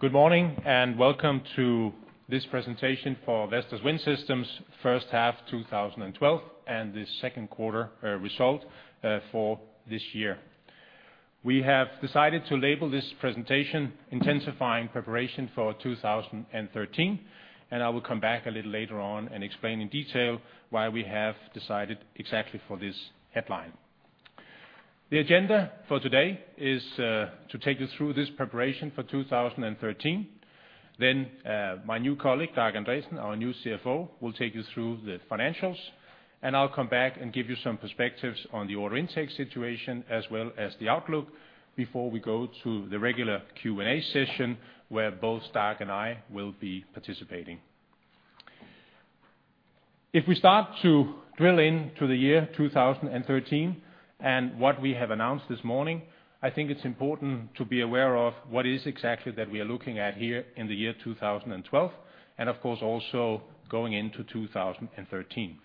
Good morning, and welcome to this presentation for Vestas Wind Systems' first half, 2012, and the second quarter result for this year. We have decided to label this presentation Intensifying Preparation for 2013, and I will come back a little later on and explain in detail why we have decided exactly for this headline. The agenda for today is to take you through this preparation for 2013. Then, my new colleague, Dag Andresen, our new CFO, will take you through the financials, and I'll come back and give you some perspectives on the order intake situation, as well as the outlook, before we go to the regular Q&A session, where both Dag and I will be participating. If we start to drill into the year 2013, and what we have announced this morning, I think it's important to be aware of what is exactly that we are looking at here in the year 2012, and of course, also going into 2013.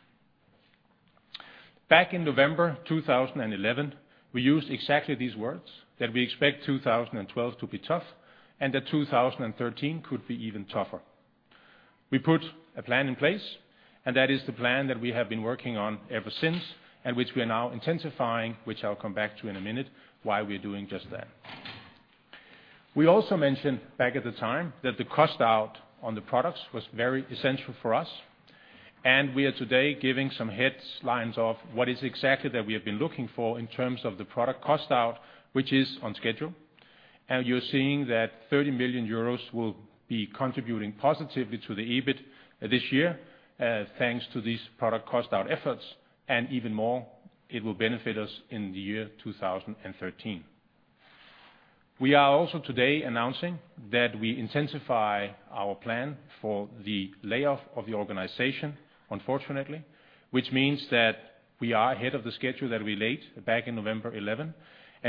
Back in November 2011, we used exactly these words, that we expect 2012 to be tough, and that 2013 could be even tougher. We put a plan in place, and that is the plan that we have been working on ever since, and which we are now intensifying, which I'll come back to in a minute, why we're doing just that. We also mentioned back at the time, that the cost out on the products was very essential for us, and we are today giving some headlines of what is exactly that we have been looking for in terms of the product cost out, which is on schedule. You're seeing that 30 million euros will be contributing positively to the EBIT this year, thanks to these product cost out efforts, and even more, it will benefit us in the year 2013. We are also today announcing that we intensify our plan for the layoff of the organization, unfortunately, which means that we are ahead of the schedule that we laid back in November 2011.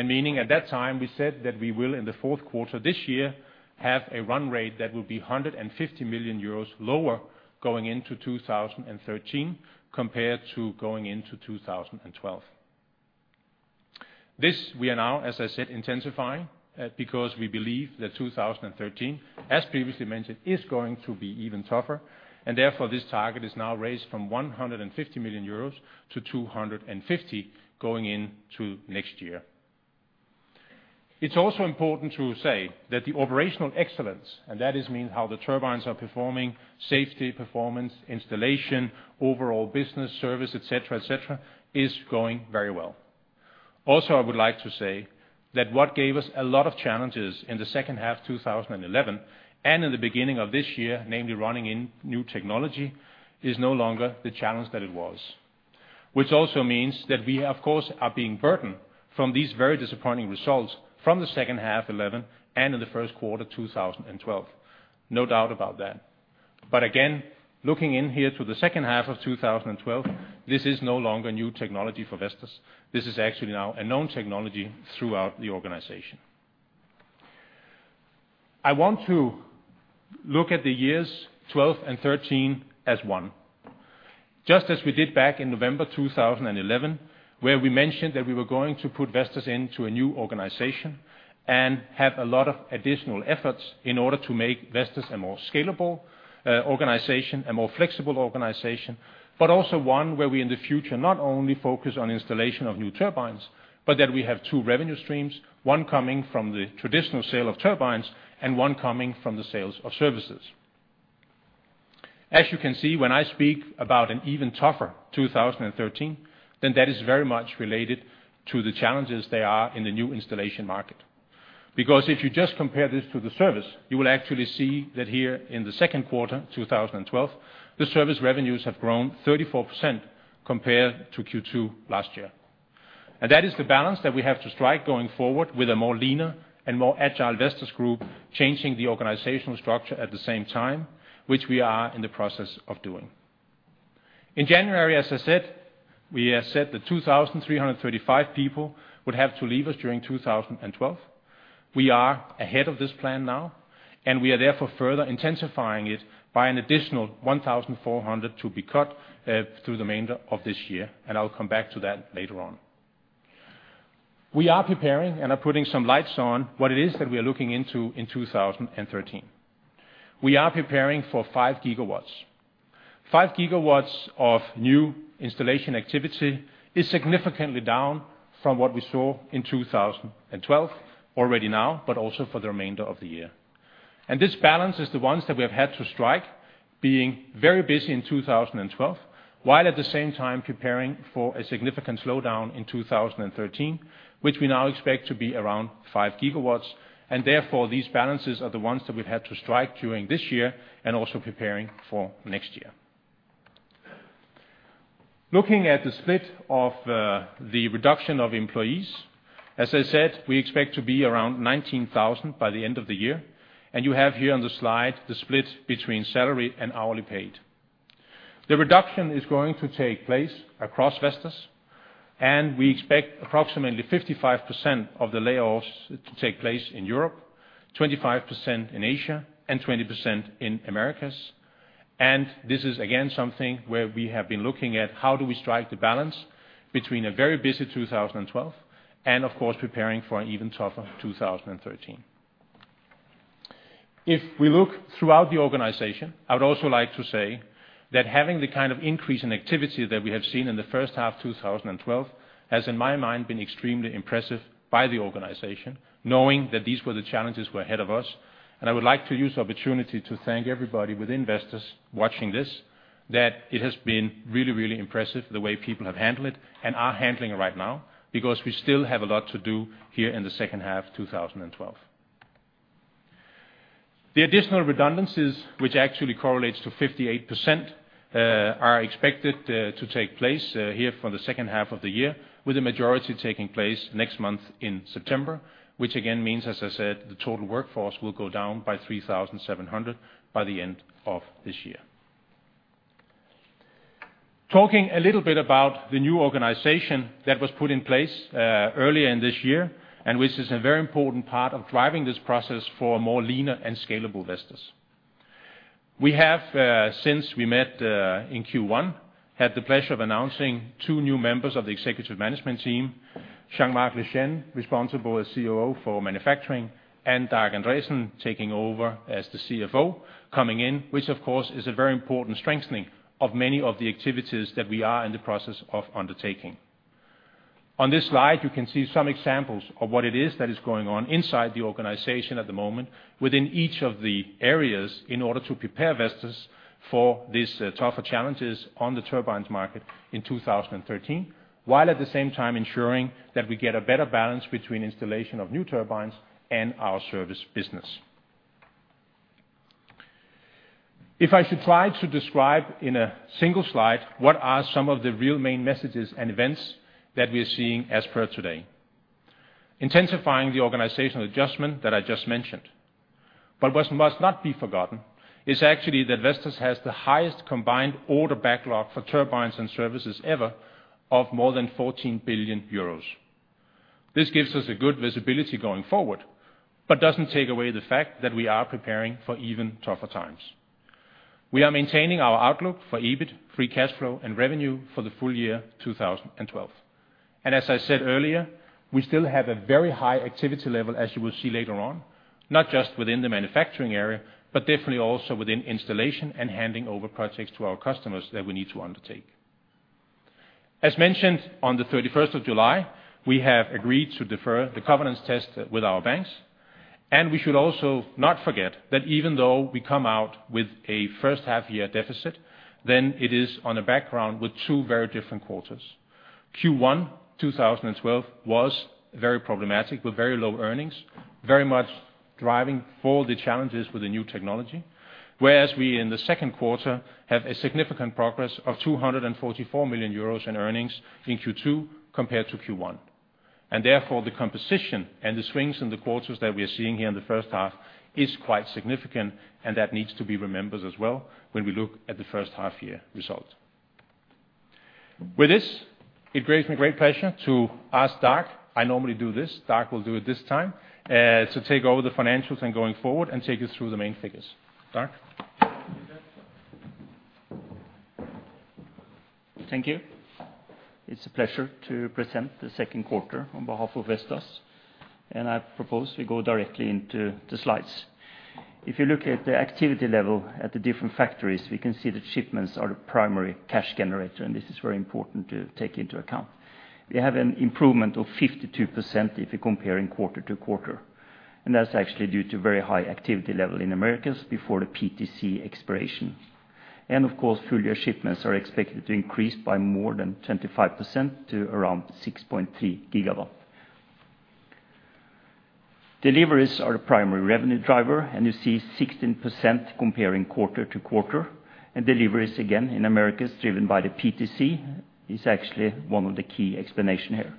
Meaning at that time, we said that we will, in the fourth quarter this year, have a run rate that will be 150 million euros lower going into 2013 compared to going into 2012. This we are now, as I said, intensifying because we believe that 2013, as previously mentioned, is going to be even tougher, and therefore, this target is now raised from 150 million euros to 250 million going into next year. It's also important to say that the operational excellence, and that I mean how the turbines are performing, safety, performance, installation, overall business, service, et cetera, et cetera, is going very well. Also, I would like to say that what gave us a lot of challenges in the second half, 2011, and in the beginning of this year, namely running in new technology, is no longer the challenge that it was. Which also means that we, of course, are being burdened from these very disappointing results from the second half, 2011, and in the first quarter, 2012. No doubt about that. But again, looking in here to the second half of 2012, this is no longer new technology for Vestas. This is actually now a known technology throughout the organization. I want to look at the years 2012 and 2013 as one. Just as we did back in November 2011, where we mentioned that we were going to put Vestas into a new organization and have a lot of additional efforts in order to make Vestas a more scalable organization, a more flexible organization, but also one where we, in the future, not only focus on installation of new turbines, but that we have two revenue streams, one coming from the traditional sale of turbines and one coming from the sales of services. As you can see, when I speak about an even tougher 2013, then that is very much related to the challenges there are in the new installation market. Because if you just compare this to the service, you will actually see that here in the second quarter, 2012, the service revenues have grown 34% compared to Q2 last year. And that is the balance that we have to strike going forward with a more leaner and more agile Vestas group, changing the organizational structure at the same time, which we are in the process of doing. In January, as I said, we have said that 2,335 people would have to leave us during 2012. We are ahead of this plan now, and we are therefore further intensifying it by an additional 1,400 to be cut through the remainder of this year, and I'll come back to that later on. We are preparing and are putting some lights on what it is that we are looking into in 2013. We are preparing for 5 GW. 5 GW of new installation activity is significantly down from what we saw in 2012 already now, but also for the remainder of the year. And this balance is the ones that we have had to strike, being very busy in 2012, while at the same time preparing for a significant slowdown in 2013, which we now expect to be around 5 GW. And therefore, these balances are the ones that we've had to strike during this year and also preparing for next year. Looking at the split of the reduction of employees, as I said, we expect to be around 19,000 by the end of the year, and you have here on the slide the split between salary and hourly paid. The reduction is going to take place across Vestas, and we expect approximately 55% of the layoffs to take place in Europe, 25% in Asia, and 20% in Americas. And this is again something where we have been looking at how do we strike the balance between a very busy 2012, and of course, preparing for an even tougher 2013. If we look throughout the organization, I would also like to say that having the kind of increase in activity that we have seen in the first half 2012, has, in my mind, been extremely impressive by the organization, knowing that these were the challenges were ahead of us. And I would like to use the opportunity to thank everybody within Vestas watching this, that it has been really, really impressive the way people have handled it, and are handling it right now, because we still have a lot to do here in the second half 2012. The additional redundancies, which actually correlates to 58%, are expected to take place here for the second half of the year, with the majority taking place next month in September. Which again, means, as I said, the total workforce will go down by 3,700 by the end of this year. Talking a little bit about the new organization that was put in place earlier in this year, and which is a very important part of driving this process for a more leaner and scalable Vestas. We have, since we met in Q1, had the pleasure of announcing two new members of the executive management team, Jean-Marc Lechêne, responsible as COO for manufacturing, and Dag Andresen, taking over as the CFO, coming in, which of course, is a very important strengthening of many of the activities that we are in the process of undertaking. On this slide, you can see some examples of what it is that is going on inside the organization at the moment, within each of the areas, in order to prepare Vestas for these tougher challenges on the turbines market in 2013. While at the same time ensuring that we get a better balance between installation of new turbines and our service business. If I should try to describe in a single slide, what are some of the real main messages and events that we are seeing as per today? Intensifying the organizational adjustment that I just mentioned. But what must not be forgotten is actually that Vestas has the highest combined order backlog for turbines and services ever, of more than 14 billion euros. This gives us a good visibility going forward, but doesn't take away the fact that we are preparing for even tougher times. We are maintaining our outlook for EBIT, free cash flow, and revenue for the full year 2012. As I said earlier, we still have a very high activity level, as you will see later on, not just within the manufacturing area, but definitely also within installation and handing over projects to our customers that we need to undertake. As mentioned, on July 31, we have agreed to defer the covenants test with our banks, and we should also not forget that even though we come out with a first half year deficit, then it is on a background with two very different quarters. Q1 2012 was very problematic, with very low earnings, very much driving all the challenges with the new technology. Whereas we, in the second quarter, have a significant progress of 244 million euros in earnings in Q2, compared to Q1. And therefore, the composition and the swings in the quarters that we are seeing here in the first half is quite significant, and that needs to be remembered as well when we look at the first half year results. With this, it gives me great pleasure to ask Dag, I normally do this, Dag will do it this time, to take over the financials and going forward, and take us through the main figures. Dag? Thank you. It's a pleasure to present the second quarter on behalf of Vestas, and I propose we go directly into the slides. If you look at the activity level at the different factories, we can see that shipments are the primary cash generator, and this is very important to take into account. We have an improvement of 52% if you're comparing quarter to quarter, and that's actually due to very high activity level in Americas before the PTC expiration. And of course, full year shipments are expected to increase by more than 25% to around 6.3 GW. Deliveries are the primary revenue driver, and you see 16% comparing quarter to quarter. And deliveries, again, in Americas, driven by the PTC, is actually one of the key explanation here.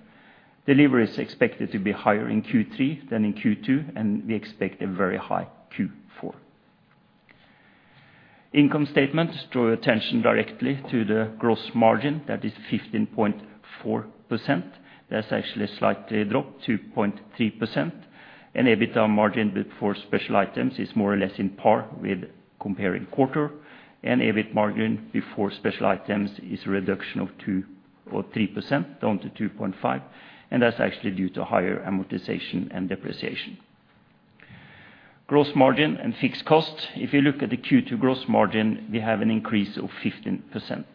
Delivery is expected to be higher in Q3 than in Q2, and we expect a very high Q4. Income statement, draw your attention directly to the gross margin, that is 15.4%. That's actually slightly dropped 2.3%. EBITDA margin, before special items, is more or less in par with comparing quarter. EBIT margin before special items is a reduction of 2 or 3%, down to 2.5%, and that's actually due to higher amortization and depreciation. Gross margin and fixed costs. If you look at the Q2 gross margin, we have an increase of 15%.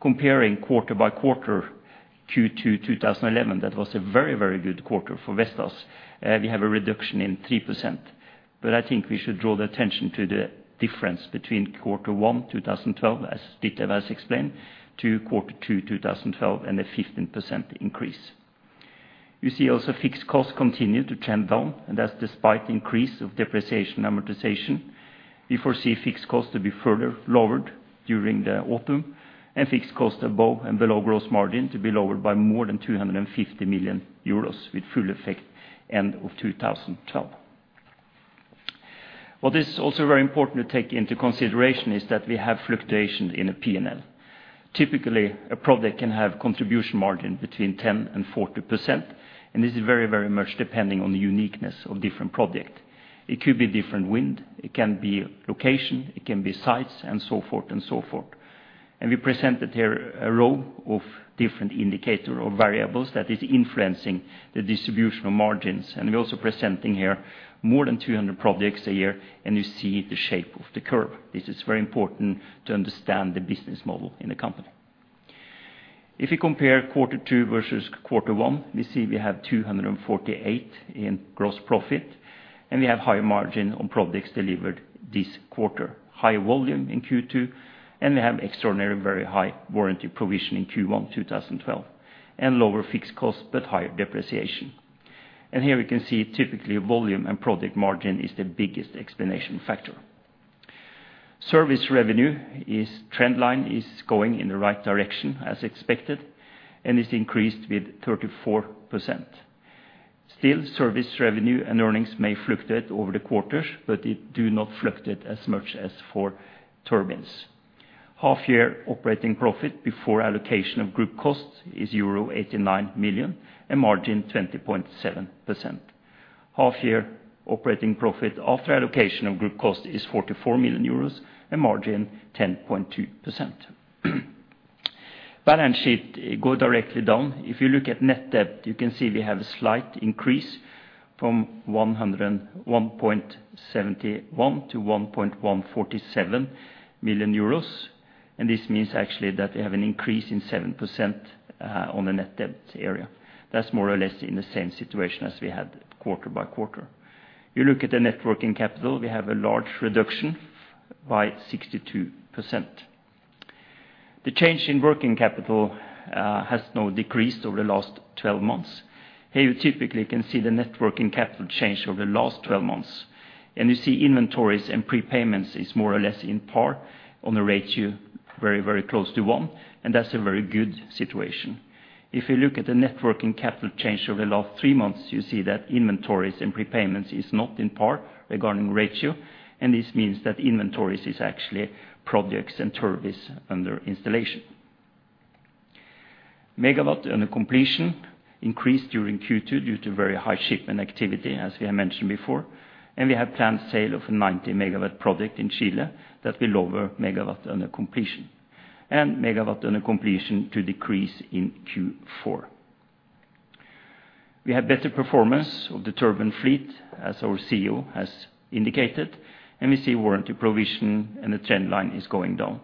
Comparing quarter by quarter, Q2, 2011, that was a very, very good quarter for Vestas. We have a reduction in 3%, but I think we should draw the attention to the difference between quarter 1, 2012, as Ditlev has explained, to quarter 2, 2012, and a 15% increase. You see also, fixed costs continue to trend down, and that's despite the increase of depreciation amortization. We foresee fixed costs to be further lowered during the autumn, and fixed costs above and below gross margin to be lowered by more than 250 million euros, with full effect end of 2012. What is also very important to take into consideration, is that we have fluctuation in the P&L. Typically, a project can have contribution margin between 10% and 40%, and this is very, very much depending on the uniqueness of different project. It could be different wind, it can be location, it can be sites, and so forth, and so forth. And we presented here a row of different indicator or variables that is influencing the distribution of margins, and we're also presenting here more than 200 projects a year, and you see the shape of the curve. This is very important to understand the business model in the company. If you compare quarter two versus quarter one, we see we have 248 in gross profit, and we have higher margin on projects delivered this quarter. High volume in Q2, and we have extraordinary, very high warranty provision in Q1 2012, and lower fixed costs, but higher depreciation. And here we can see typically volume and project margin is the biggest explanation factor. Service revenue is, trend line is going in the right direction, as expected, and is increased with 34%. Still, service revenue and earnings may fluctuate over the quarters, but it do not fluctuate as much as for turbines. Half year operating profit before allocation of group costs is euro 89 million, and margin 20.7%. Half year operating profit after allocation of group cost is 44 million euros, and margin 10.2%. Balance sheet, go directly down. If you look at net debt, you can see we have a slight increase from 101.71 million euros to EUR 111.47 million, and this means actually that we have an increase in 7%, on the net debt area. That's more or less in the same situation as we had quarter by quarter. You look at the net working capital, we have a large reduction by 62%. The change in working capital has now decreased over the last 12 months. Here, you typically can see the net working capital change over the last 12 months, and you see inventories and prepayments is more or less in par on the ratio, very, very close to one, and that's a very good situation. If you look at the net working capital change over the last 3 months, you see that inventories and prepayments is not in part regarding ratio, and this means that inventories is actually projects and service under installation. Megawatt under completion increased during Q2 due to very high shipment activity, as we have mentioned before, and we have planned sale of a 90-megawatt project in Chile that will lower megawatt under completion, and megawatt under completion to decrease in Q4. We have better performance of the turbine fleet, as our CEO has indicated, and we see warranty provision, and the trend line is going down.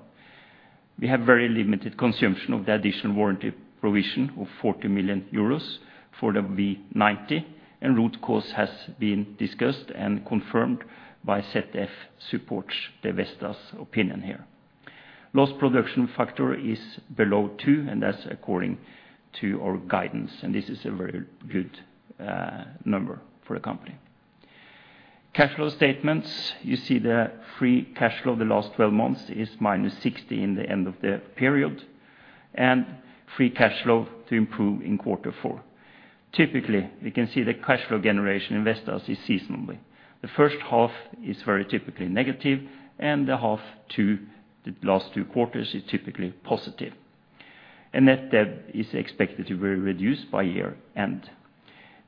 We have very limited consumption of the additional warranty provision of 40 million euros for the V90, and root cause has been discussed and confirmed by ZF, supports the Vestas opinion here. Lost production factor is below 2, and that's according to our guidance, and this is a very good number for the company. Cash flow statements, you see the free cash flow the last 12 months is -60 million in the end of the period, and free cash flow to improve in quarter four. Typically, we can see the cash flow generation in Vestas is seasonally. The first half is very typically negative, and the half two, the last two quarters, is typically positive. Net debt is expected to be reduced by year end.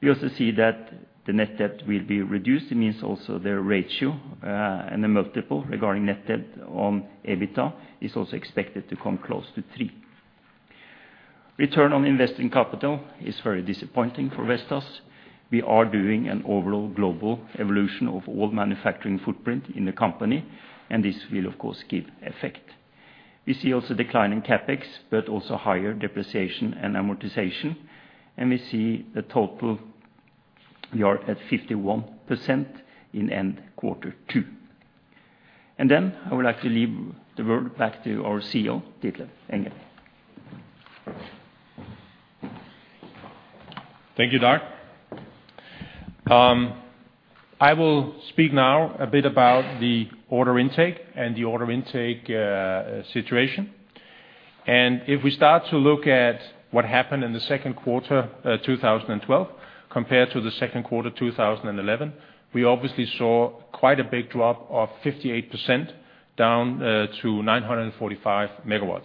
We also see that the net debt will be reduced, it means also the ratio, and the multiple regarding net debt on EBITDA is also expected to come close to 3. Return on Invested Capital is very disappointing for Vestas. We are doing an overall global evolution of all manufacturing footprint in the company, and this will, of course, give effect. We see also decline in CapEx, but also higher depreciation and amortization, and we see the total, we are at 51% in end quarter two. Then I would like to leave the word back to our CEO, Ditlev Engel. Thank you, Dag. I will speak now a bit about the order intake and the order intake situation. If we start to look at what happened in the second quarter 2012, compared to the second quarter 2011, we obviously saw quite a big drop of 58%, down to 945 MW.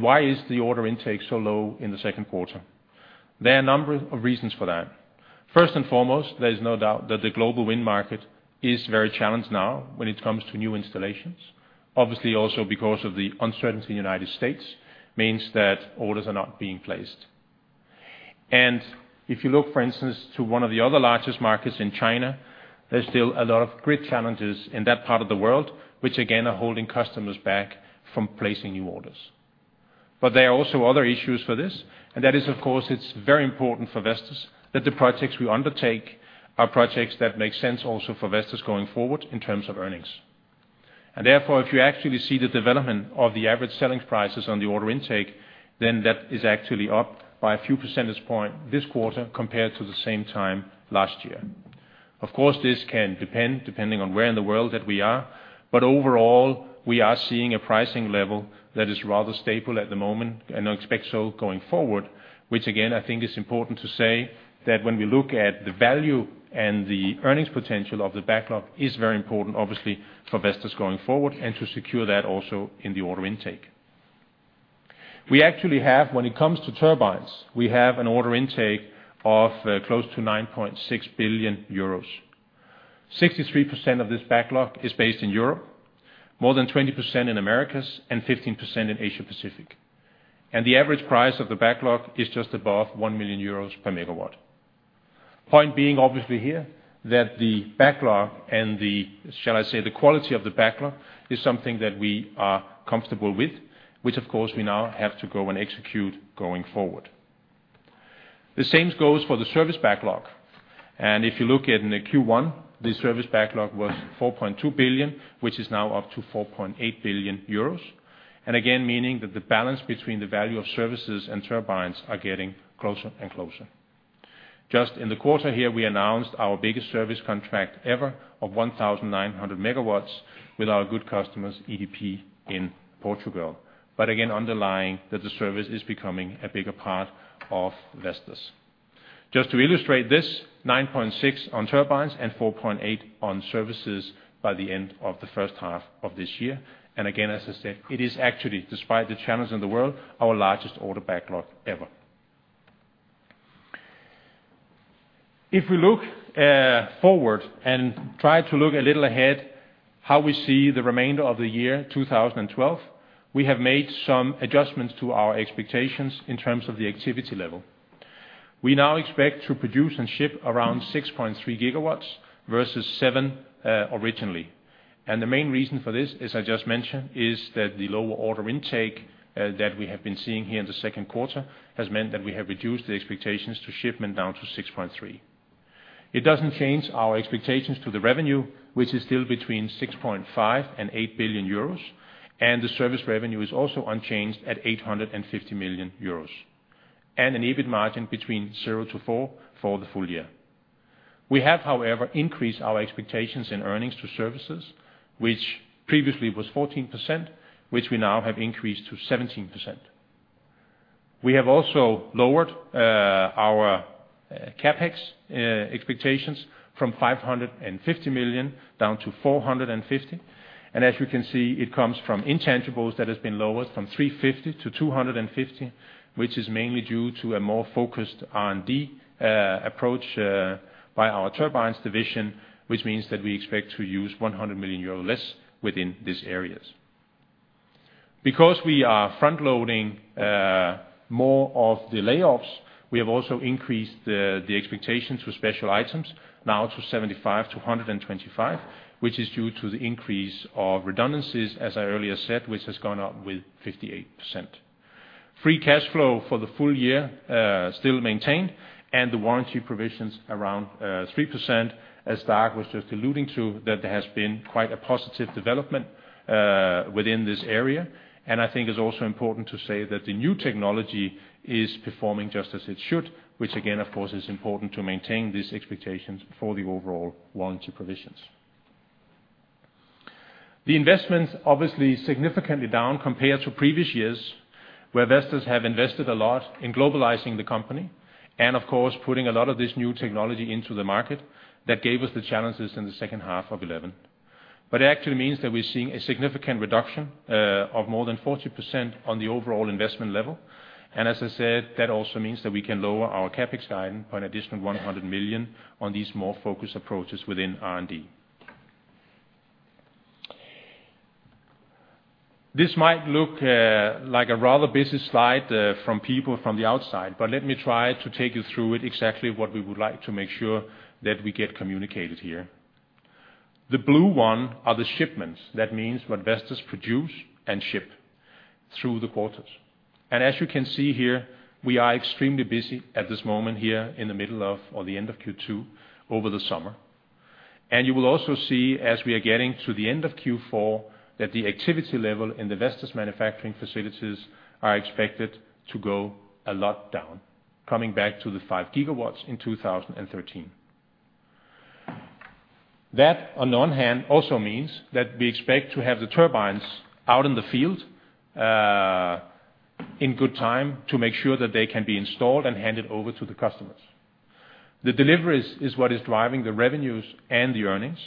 Why is the order intake so low in the second quarter? There are a number of reasons for that. First and foremost, there is no doubt that the global wind market is very challenged now when it comes to new installations. Obviously, also because of the uncertainty in United States, means that orders are not being placed. If you look, for instance, to one of the other largest markets in China, there's still a lot of grid challenges in that part of the world, which again, are holding customers back from placing new orders. But there are also other issues for this, and that is, of course, it's very important for Vestas that the projects we undertake are projects that make sense also for Vestas going forward in terms of earnings. Therefore, if you actually see the development of the average selling prices on the order intake, then that is actually up by a few percentage points this quarter compared to the same time last year. Of course, this can depend, depending on where in the world that we are, but overall, we are seeing a pricing level that is rather stable at the moment, and expect so going forward, which again, I think is important to say that when we look at the value and the earnings potential of the backlog is very important, obviously, for Vestas going forward, and to secure that also in the order intake. We actually have, when it comes to turbines, we have an order intake of close to 9.6 billion euros. 63% of this backlog is based in Europe, more than 20% in Americas, and 15% in Asia Pacific. And the average price of the backlog is just above 1 million euros per megawatt. Point being, obviously here, that the backlog and the, shall I say, the quality of the backlog, is something that we are comfortable with, which of course, we now have to go and execute going forward. The same goes for the service backlog, and if you look at in the Q1, the service backlog was 4.2 billion, which is now up to 4.8 billion euros. And again, meaning that the balance between the value of services and turbines are getting closer and closer. Just in the quarter here, we announced our biggest service contract ever of 1,900 megawatts with our good customers, EDP, in Portugal. But again, underlying that the service is becoming a bigger part of Vestas. Just to illustrate this, 9.6 billion on turbines and 4.8 billion on services by the end of the first half of this year. And again, as I said, it is actually, despite the challenges in the world, our largest order backlog ever. If we look forward and try to look a little ahead, how we see the remainder of the year 2012, we have made some adjustments to our expectations in terms of the activity level. We now expect to produce and ship around 6.3 gigawatts versus 7 originally. And the main reason for this, as I just mentioned, is that the lower order intake that we have been seeing here in the second quarter, has meant that we have reduced the expectations to shipment down to 6.3. It doesn't change our expectations to the revenue, which is still between 6.5 billion and 8 billion euros, and the service revenue is also unchanged at 850 million euros, and an EBIT margin between 0% to 4% for the full year. We have, however, increased our expectations in earnings to services, which previously was 14%, which we now have increased to 17%. We have also lowered our CapEx expectations from 550 million down to 450 million. And as you can see, it comes from intangibles that has been lowered from 350 to 250, which is mainly due to a more focused R&D approach by our turbines division, which means that we expect to use 100 million euro less within these areas. Because we are front-loading more of the layoffs, we have also increased the expectations to special items now to 75-125, which is due to the increase of redundancies, as I earlier said, which has gone up with 58%. Free cash flow for the full year still maintained, and the warranty provisions around 3%, as Dag was just alluding to, that there has been quite a positive development within this area. I think it's also important to say that the new technology is performing just as it should, which again, of course, is important to maintain these expectations for the overall warranty provisions. The investments, obviously, significantly down compared to previous years, where Vestas have invested a lot in globalizing the company, and of course, putting a lot of this new technology into the market that gave us the challenges in the second half of 2011. But it actually means that we're seeing a significant reduction of more than 40% on the overall investment level. And as I said, that also means that we can lower our CapEx guidance by an additional 100 million on these more focused approaches within R&D. This might look like a rather busy slide from people from the outside, but let me try to take you through it, exactly what we would like to make sure that we get communicated here. The blue one are the shipments. That means what Vestas produce and ship through the quarters. As you can see here, we are extremely busy at this moment here in the middle of, or the end of Q2, over the summer. You will also see, as we are getting to the end of Q4, that the activity level in the Vestas manufacturing facilities are expected to go a lot down, coming back to the 5 GW in 2013. That, on the one hand, also means that we expect to have the turbines out in the field, in good time to make sure that they can be installed and handed over to the customers. The deliveries is what is driving the revenues and the earnings,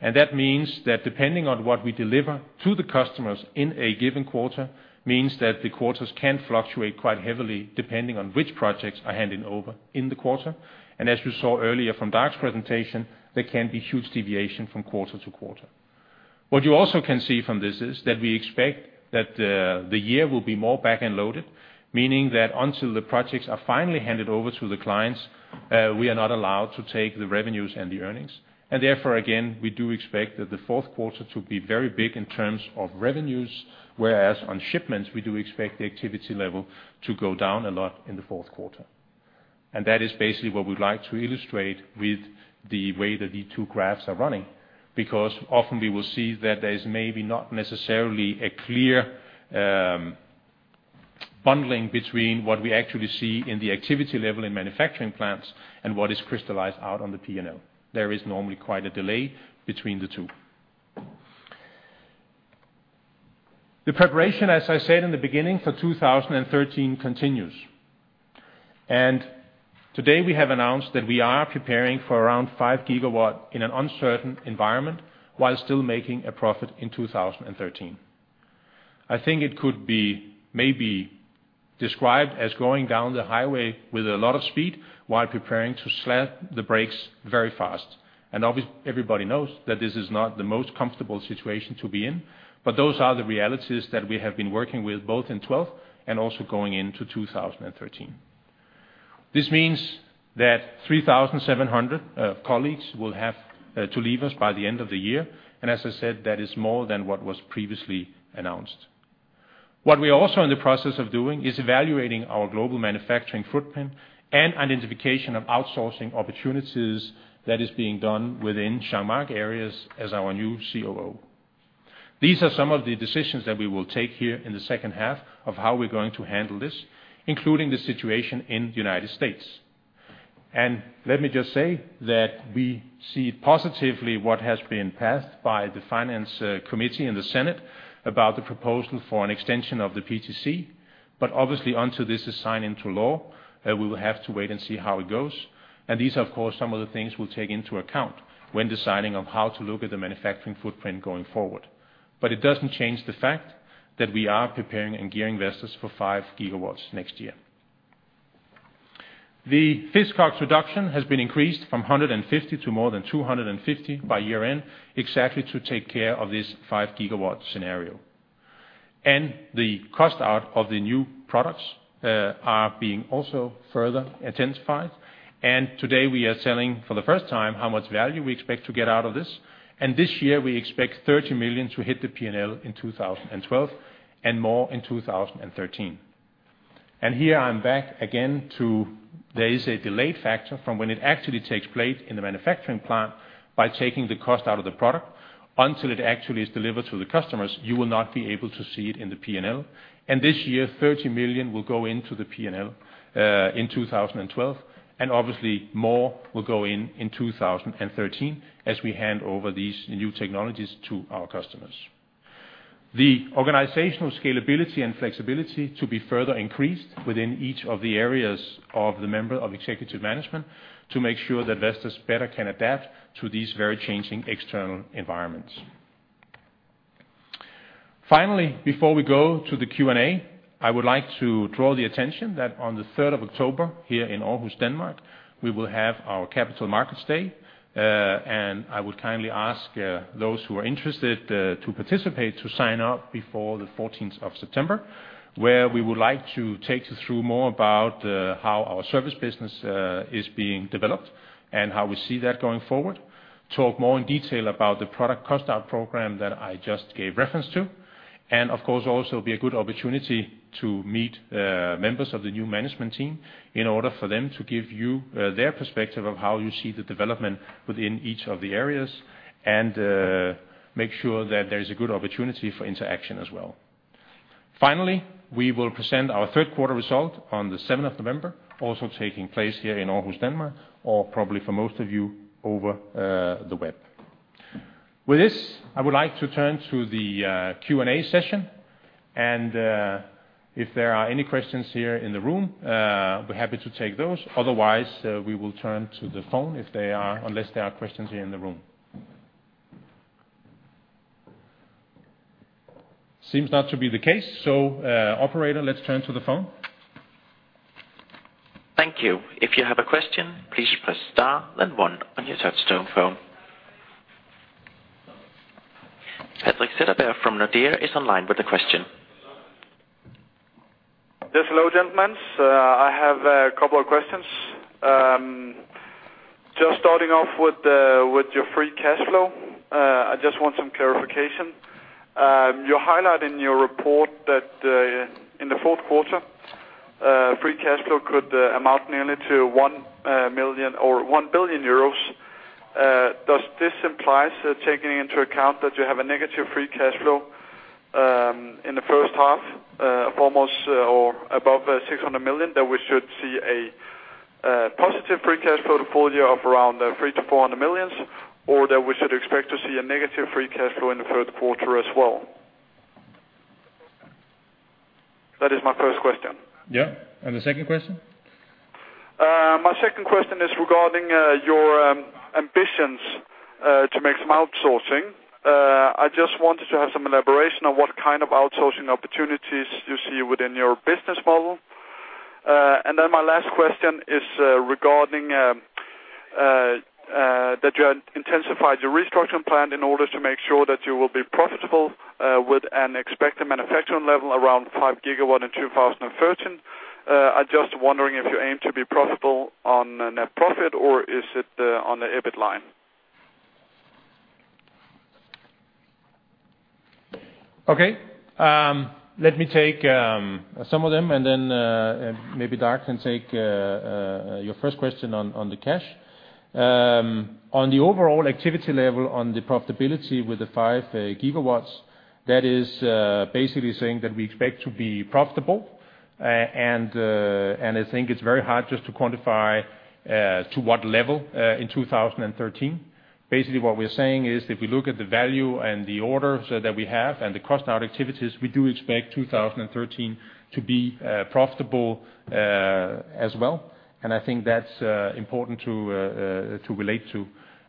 and that means that depending on what we deliver to the customers in a given quarter, means that the quarters can fluctuate quite heavily, depending on which projects are handing over in the quarter. As you saw earlier from Dag's presentation, there can be huge deviation from quarter to quarter. What you also can see from this is that we expect that the year will be more back-end loaded, meaning that until the projects are finally handed over to the clients, we are not allowed to take the revenues and the earnings. And therefore, again, we do expect that the fourth quarter to be very big in terms of revenues, whereas on shipments, we do expect the activity level to go down a lot in the fourth quarter. And that is basically what we'd like to illustrate with the way that the two graphs are running, because often we will see that there is maybe not necessarily a clear bundling between what we actually see in the activity level in manufacturing plants and what is crystallized out on the P&L. There is normally quite a delay between the two. The preparation, as I said in the beginning, for 2013 continues... Today we have announced that we are preparing for around 5 GW in an uncertain environment, while still making a profit in 2013. I think it could be maybe described as going down the highway with a lot of speed while preparing to slam the brakes very fast. Obviously everybody knows that this is not the most comfortable situation to be in, but those are the realities that we have been working with, both in 2012 and also going into 2013. This means that 3,700 colleagues will have to leave us by the end of the year, and as I said, that is more than what was previously announced. What we're also in the process of doing is evaluating our global manufacturing footprint and identification of outsourcing opportunities that is being done within Jean-Marc's areas as our new COO. These are some of the decisions that we will take here in the second half of how we're going to handle this, including the situation in the United States. And let me just say that we see positively what has been passed by the Finance Committee and the Senate about the proposal for an extension of the PTC. But obviously, until this is signed into law, we will have to wait and see how it goes. And these, of course, some of the things we'll take into account when deciding on how to look at the manufacturing footprint going forward. But it doesn't change the fact that we are preparing and gearing Vestas for 5 GW next year. The fixed cost reduction has been increased from 150 to more than 250 by year-end, exactly to take care of this 5 GW scenario. The cost out of the new products are being also further intensified. Today we are selling, for the first time, how much value we expect to get out of this. This year, we expect 30 million to hit the P&L in 2012, and more in 2013. Here I'm back again to there is a delayed factor from when it actually takes place in the manufacturing plant by taking the cost out of the product. Until it actually is delivered to the customers, you will not be able to see it in the P&L. This year, 30 million will go into the P&L, in 2012, and obviously more will go in in 2013 as we hand over these new technologies to our customers. The organizational scalability and flexibility to be further increased within each of the areas of the member of executive management, to make sure that Vestas better can adapt to these very changing external environments. Finally, before we go to the Q&A, I would like to draw the attention that on the third of October, here in Aarhus, Denmark, we will have our Capital Markets Day. I would kindly ask, those who are interested, to participate, to sign up before the fourteenth of September, where we would like to take you through more about, how our service business, is being developed and how we see that going forward. Talk more in detail about the product cost out program that I just gave reference to. And of course, also be a good opportunity to meet members of the new management team, in order for them to give you their perspective of how you see the development within each of the areas, and make sure that there is a good opportunity for interaction as well. Finally, we will present our third quarter result on the 7th of November, also taking place here in Aarhus, Denmark, or probably for most of you, over the web. With this, I would like to turn to the Q&A session, and if there are any questions here in the room, we're happy to take those. Otherwise, we will turn to the phone unless there are questions here in the room. Seems not to be the case, so, operator, let's turn to the phone. Thank you. If you have a question, please press star, then one on your touchtone phone. Patrik Setterberg from Nordea is online with a question. Yes, hello, gentlemen. I have a couple of questions. Just starting off with your free cash flow, I just want some clarification. You highlight in your report that in the fourth quarter free cash flow could amount nearly to 1 billion euros. Does this implies taking into account that you have a negative free cash flow in the first half of almost or above 600 million, that we should see a positive free cash flow full year of around 300 million-400 million? Or that we should expect to see a negative free cash flow in the third quarter as well? That is my first question. Yeah, and the second question? My second question is regarding your ambitions to make some outsourcing. I just wanted to have some elaboration on what kind of outsourcing opportunities you see within your business model. And then my last question is regarding that you intensified your restructuring plan in order to make sure that you will be profitable with an expected manufacturing level around 5 GW in 2013. I'm just wondering if you aim to be profitable on a net profit, or is it on the EBIT line? Okay. Let me take some of them, and then maybe Dag can take your first question on the cash. On the overall activity level, on the profitability with the 5 GW, that is basically saying that we expect to be profitable. And I think it's very hard just to quantify to what level in 2013. Basically, what we're saying is, if we look at the value and the orders that we have and the cost out activities, we do expect 2013 to be profitable as well. And I think that's important to relate to.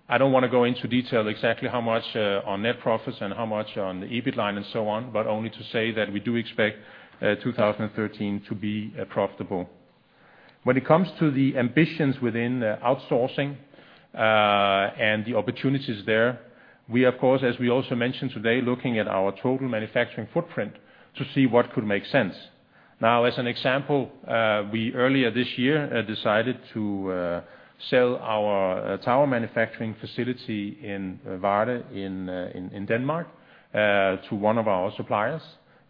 I don't wanna go into detail exactly how much on net profits and how much on the EBIT line and so on, but only to say that we do expect 2013 to be profitable. When it comes to the ambitions within outsourcing and the opportunities there, we, of course, as we also mentioned today, looking at our total manufacturing footprint to see what could make sense. Now, as an example, we earlier this year decided to sell our tower manufacturing facility in Varde, in Denmark, to one of our suppliers,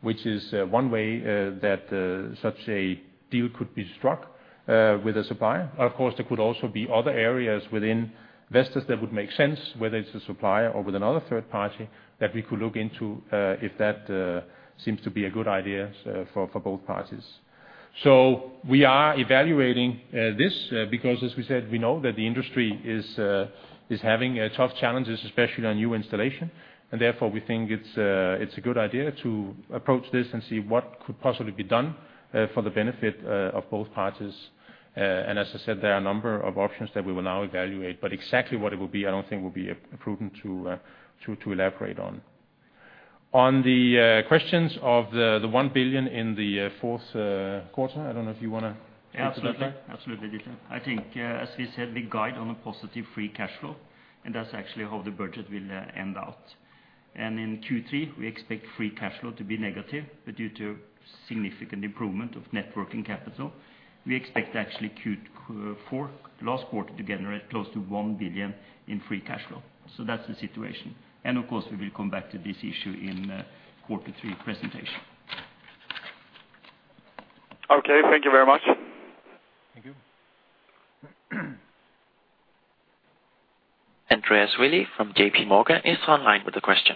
which is one way that such a deal could be struck with a supplier. Of course, there could also be other areas within Vestas that would make sense, whether it's a supplier or with another third party, that we could look into, if that seems to be a good idea for both parties. So we are evaluating this, because as we said, we know that the industry is having tough challenges, especially on new installation. And therefore, we think it's a good idea to approach this and see what could possibly be done for the benefit of both parties. And as I said, there are a number of options that we will now evaluate. But exactly what it will be, I don't think will be appropriate to elaborate on. On the questions of the one billion in the fourth quarter, I don't know if you want to answer that? Absolutely. Absolutely, I think, as we said, we guide on a positive Free Cash Flow, and that's actually how the budget will, end out. And in Q3, we expect Free Cash Flow to be negative, but due to significant improvement of Net Working Capital, we expect actually Q4, last quarter, to generate close to 1 billion in Free Cash Flow. So that's the situation. And of course, we will come back to this issue in, quarter three presentation. Okay, thank you very much. Thank you. Andreas Willi from J.P. Morgan is online with a question.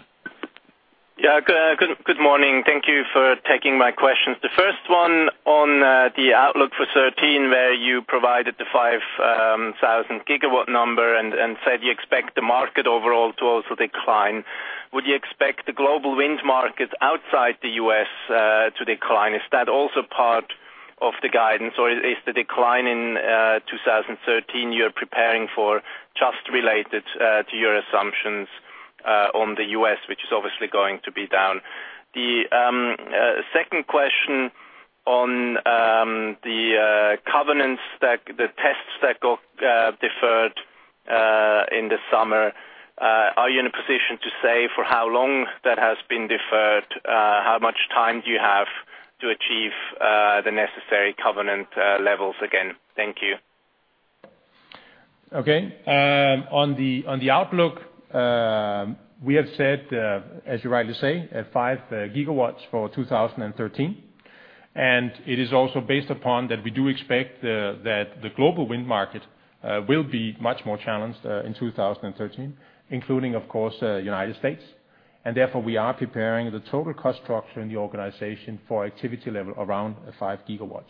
Yeah, good, good morning. Thank you for taking my questions. The first one on the outlook for 2013, where you provided the 5,000 GW number and said you expect the market overall to also decline. Would you expect the global wind market outside the U.S. to decline? Is that also part of the guidance, or is the decline in 2013 you're preparing for just related to your assumptions on the U.S., which is obviously going to be down? The second question on the covenants that the tests that got deferred in the summer. Are you in a position to say for how long that has been deferred? How much time do you have to achieve the necessary covenant levels again? Thank you. Okay. On the outlook, we have said, as you rightly say, at 5 gigawatts for 2013. It is also based upon that we do expect that the global wind market will be much more challenged in 2013, including, of course, United States. Therefore, we are preparing the total cost structure in the organization for activity level around 5 gigawatts.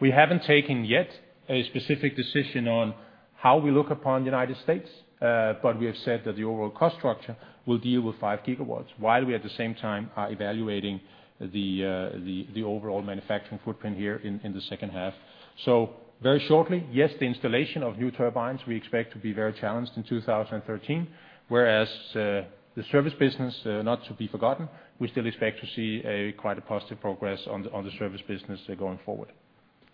We haven't taken yet a specific decision on how we look upon the United States, but we have said that the overall cost structure will deal with 5 gigawatts, while we, at the same time, are evaluating the overall manufacturing footprint here in the second half. So very shortly, yes, the installation of new turbines, we expect to be very challenged in 2013, whereas the service business, not to be forgotten, we still expect to see quite a positive progress on the service business going forward.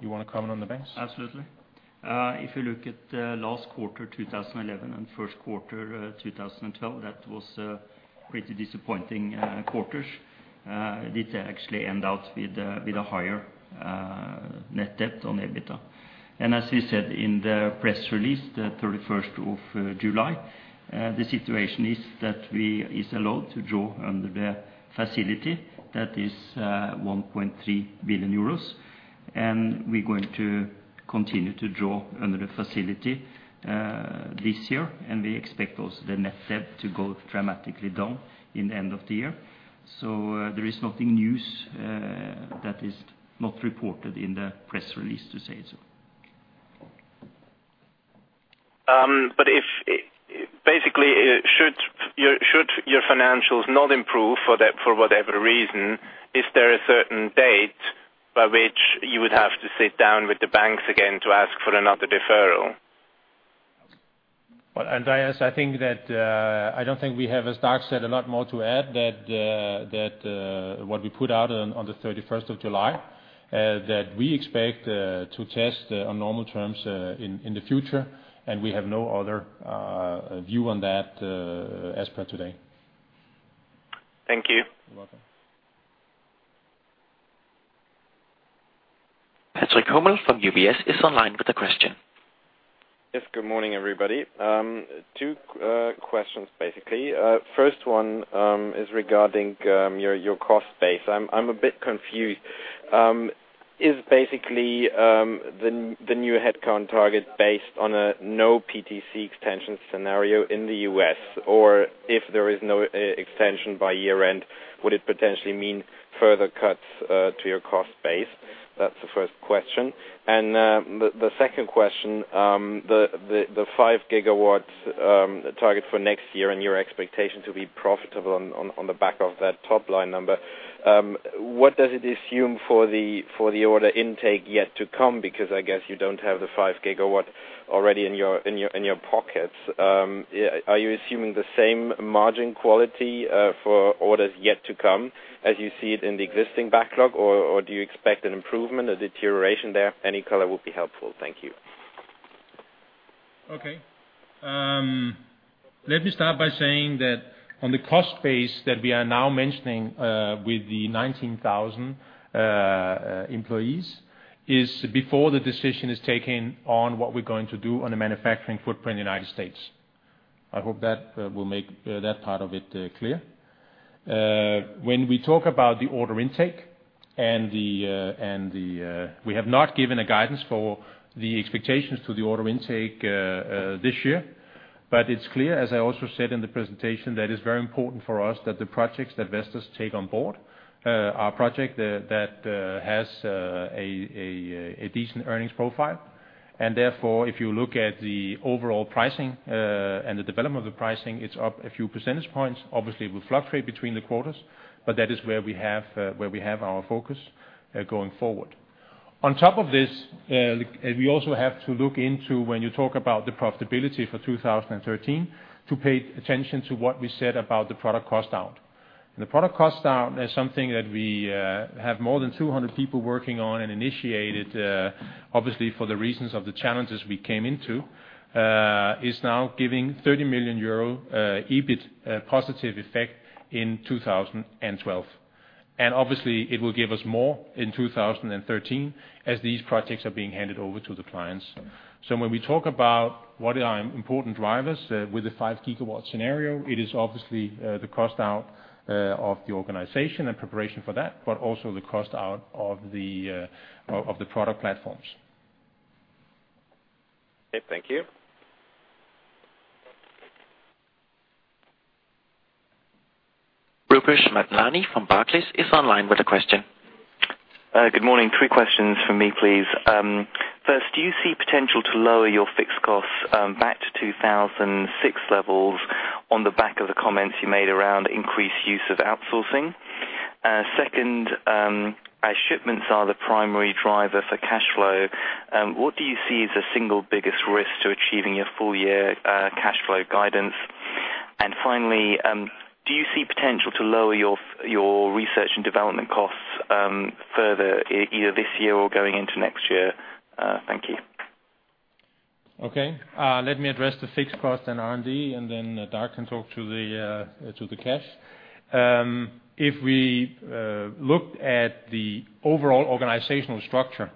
You want to comment on the banks? Absolutely. If you look at the last quarter, 2011, and first quarter 2012, that was pretty disappointing quarters. It did actually end out with a higher net debt on EBITDA. And as we said in the press release, July 31, the situation is that we is allowed to draw under the facility that is 1.3 billion euros. And we're going to continue to draw under the facility this year, and we expect also the net debt to go dramatically down in the end of the year. So, there is nothing new that is not reported in the press release, to say so. But if basically, should your financials not improve for that, for whatever reason, is there a certain date by which you would have to sit down with the banks again to ask for another deferral? Well, Andreas, I think that I don't think we have, as Dag said, a lot more to add, that what we put out on July 31. That we expect to test on normal terms in the future, and we have no other view on that as per today. Thank you. You're welcome. Patrick Hummel from UBS is online with a question. Yes, good morning, everybody. Two questions, basically. First one is regarding your cost base. I'm a bit confused. Is basically the new headcount target based on a no PTC extension scenario in the U.S.? Or if there is no extension by year end, would it potentially mean further cuts to your cost base? That's the first question. And the five gigawatts target for next year and your expectation to be profitable on the back of that top-line number, what does it assume for the order intake yet to come? Because I guess you don't have the five gigawatts already in your pockets. Are you assuming the same margin quality, for orders yet to come as you see it in the existing backlog, or, or do you expect an improvement or deterioration there? Any color will be helpful. Thank you. ...Okay, let me start by saying that on the cost base that we are now mentioning, with the 19,000 employees, is before the decision is taken on what we're going to do on the manufacturing footprint in the United States. I hope that will make that part of it clear. When we talk about the order intake and the, we have not given a guidance for the expectations to the order intake this year. But it's clear, as I also said in the presentation, that it's very important for us that the projects that Vestas take on board are project that has a decent earnings profile. And therefore, if you look at the overall pricing and the development of the pricing, it's up a few percentage points. Obviously, it will fluctuate between the quarters, but that is where we have, where we have our focus, going forward. On top of this, we also have to look into, when you talk about the profitability for 2013, to pay attention to what we said about the product cost out. And the product cost out is something that we, have more than 200 people working on and initiated, obviously, for the reasons of the challenges we came into, is now giving 30 million euro EBIT positive effect in 2012. And obviously, it will give us more in 2013, as these projects are being handed over to the clients. So when we talk about what are important drivers with the 5 GW scenario, it is obviously the cost out of the organization and preparation for that, but also the cost out of the product platforms. Okay, thank you. Rupesh Madlani from Barclays is online with a question. Good morning. Three questions for me, please. First, do you see potential to lower your fixed costs back to 2006 levels on the back of the comments you made around increased use of outsourcing? Second, as shipments are the primary driver for cash flow, what do you see as the single biggest risk to achieving your full year cash flow guidance? And finally, do you see potential to lower your research and development costs further, either this year or going into next year? Thank you. Okay, let me address the fixed cost and R&D, and then Dag can talk to the cash. If we look at the overall organizational structure,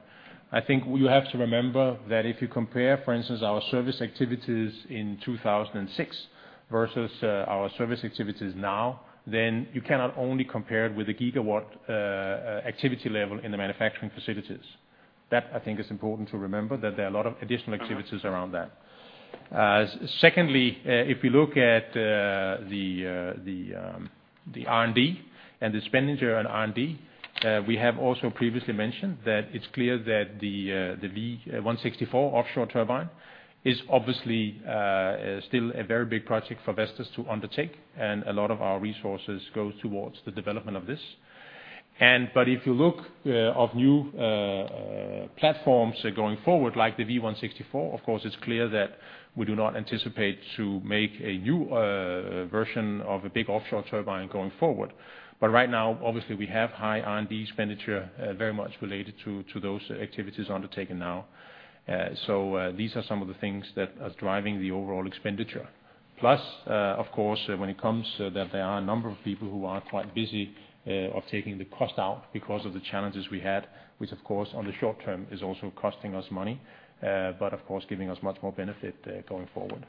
I think you have to remember that if you compare, for instance, our service activities in 2006 versus our service activities now, then you cannot only compare it with the gigawatt activity level in the manufacturing facilities. That, I think, is important to remember, that there are a lot of additional activities around that. Secondly, if you look at the R&D and the expenditure on R&D, we have also previously mentioned that it's clear that the V164 offshore turbine is obviously still a very big project for Vestas to undertake, and a lot of our resources go towards the development of this. But if you look of new platforms going forward, like the V164, of course, it's clear that we do not anticipate to make a new version of a big offshore turbine going forward. But right now, obviously, we have high R&D expenditure, very much related to, to those activities undertaken now. So, these are some of the things that are driving the overall expenditure. Plus, of course, when it comes that there are a number of people who are quite busy of taking the cost out because of the challenges we had, which, of course, on the short term, is also costing us money, but of course, giving us much more benefit going forward.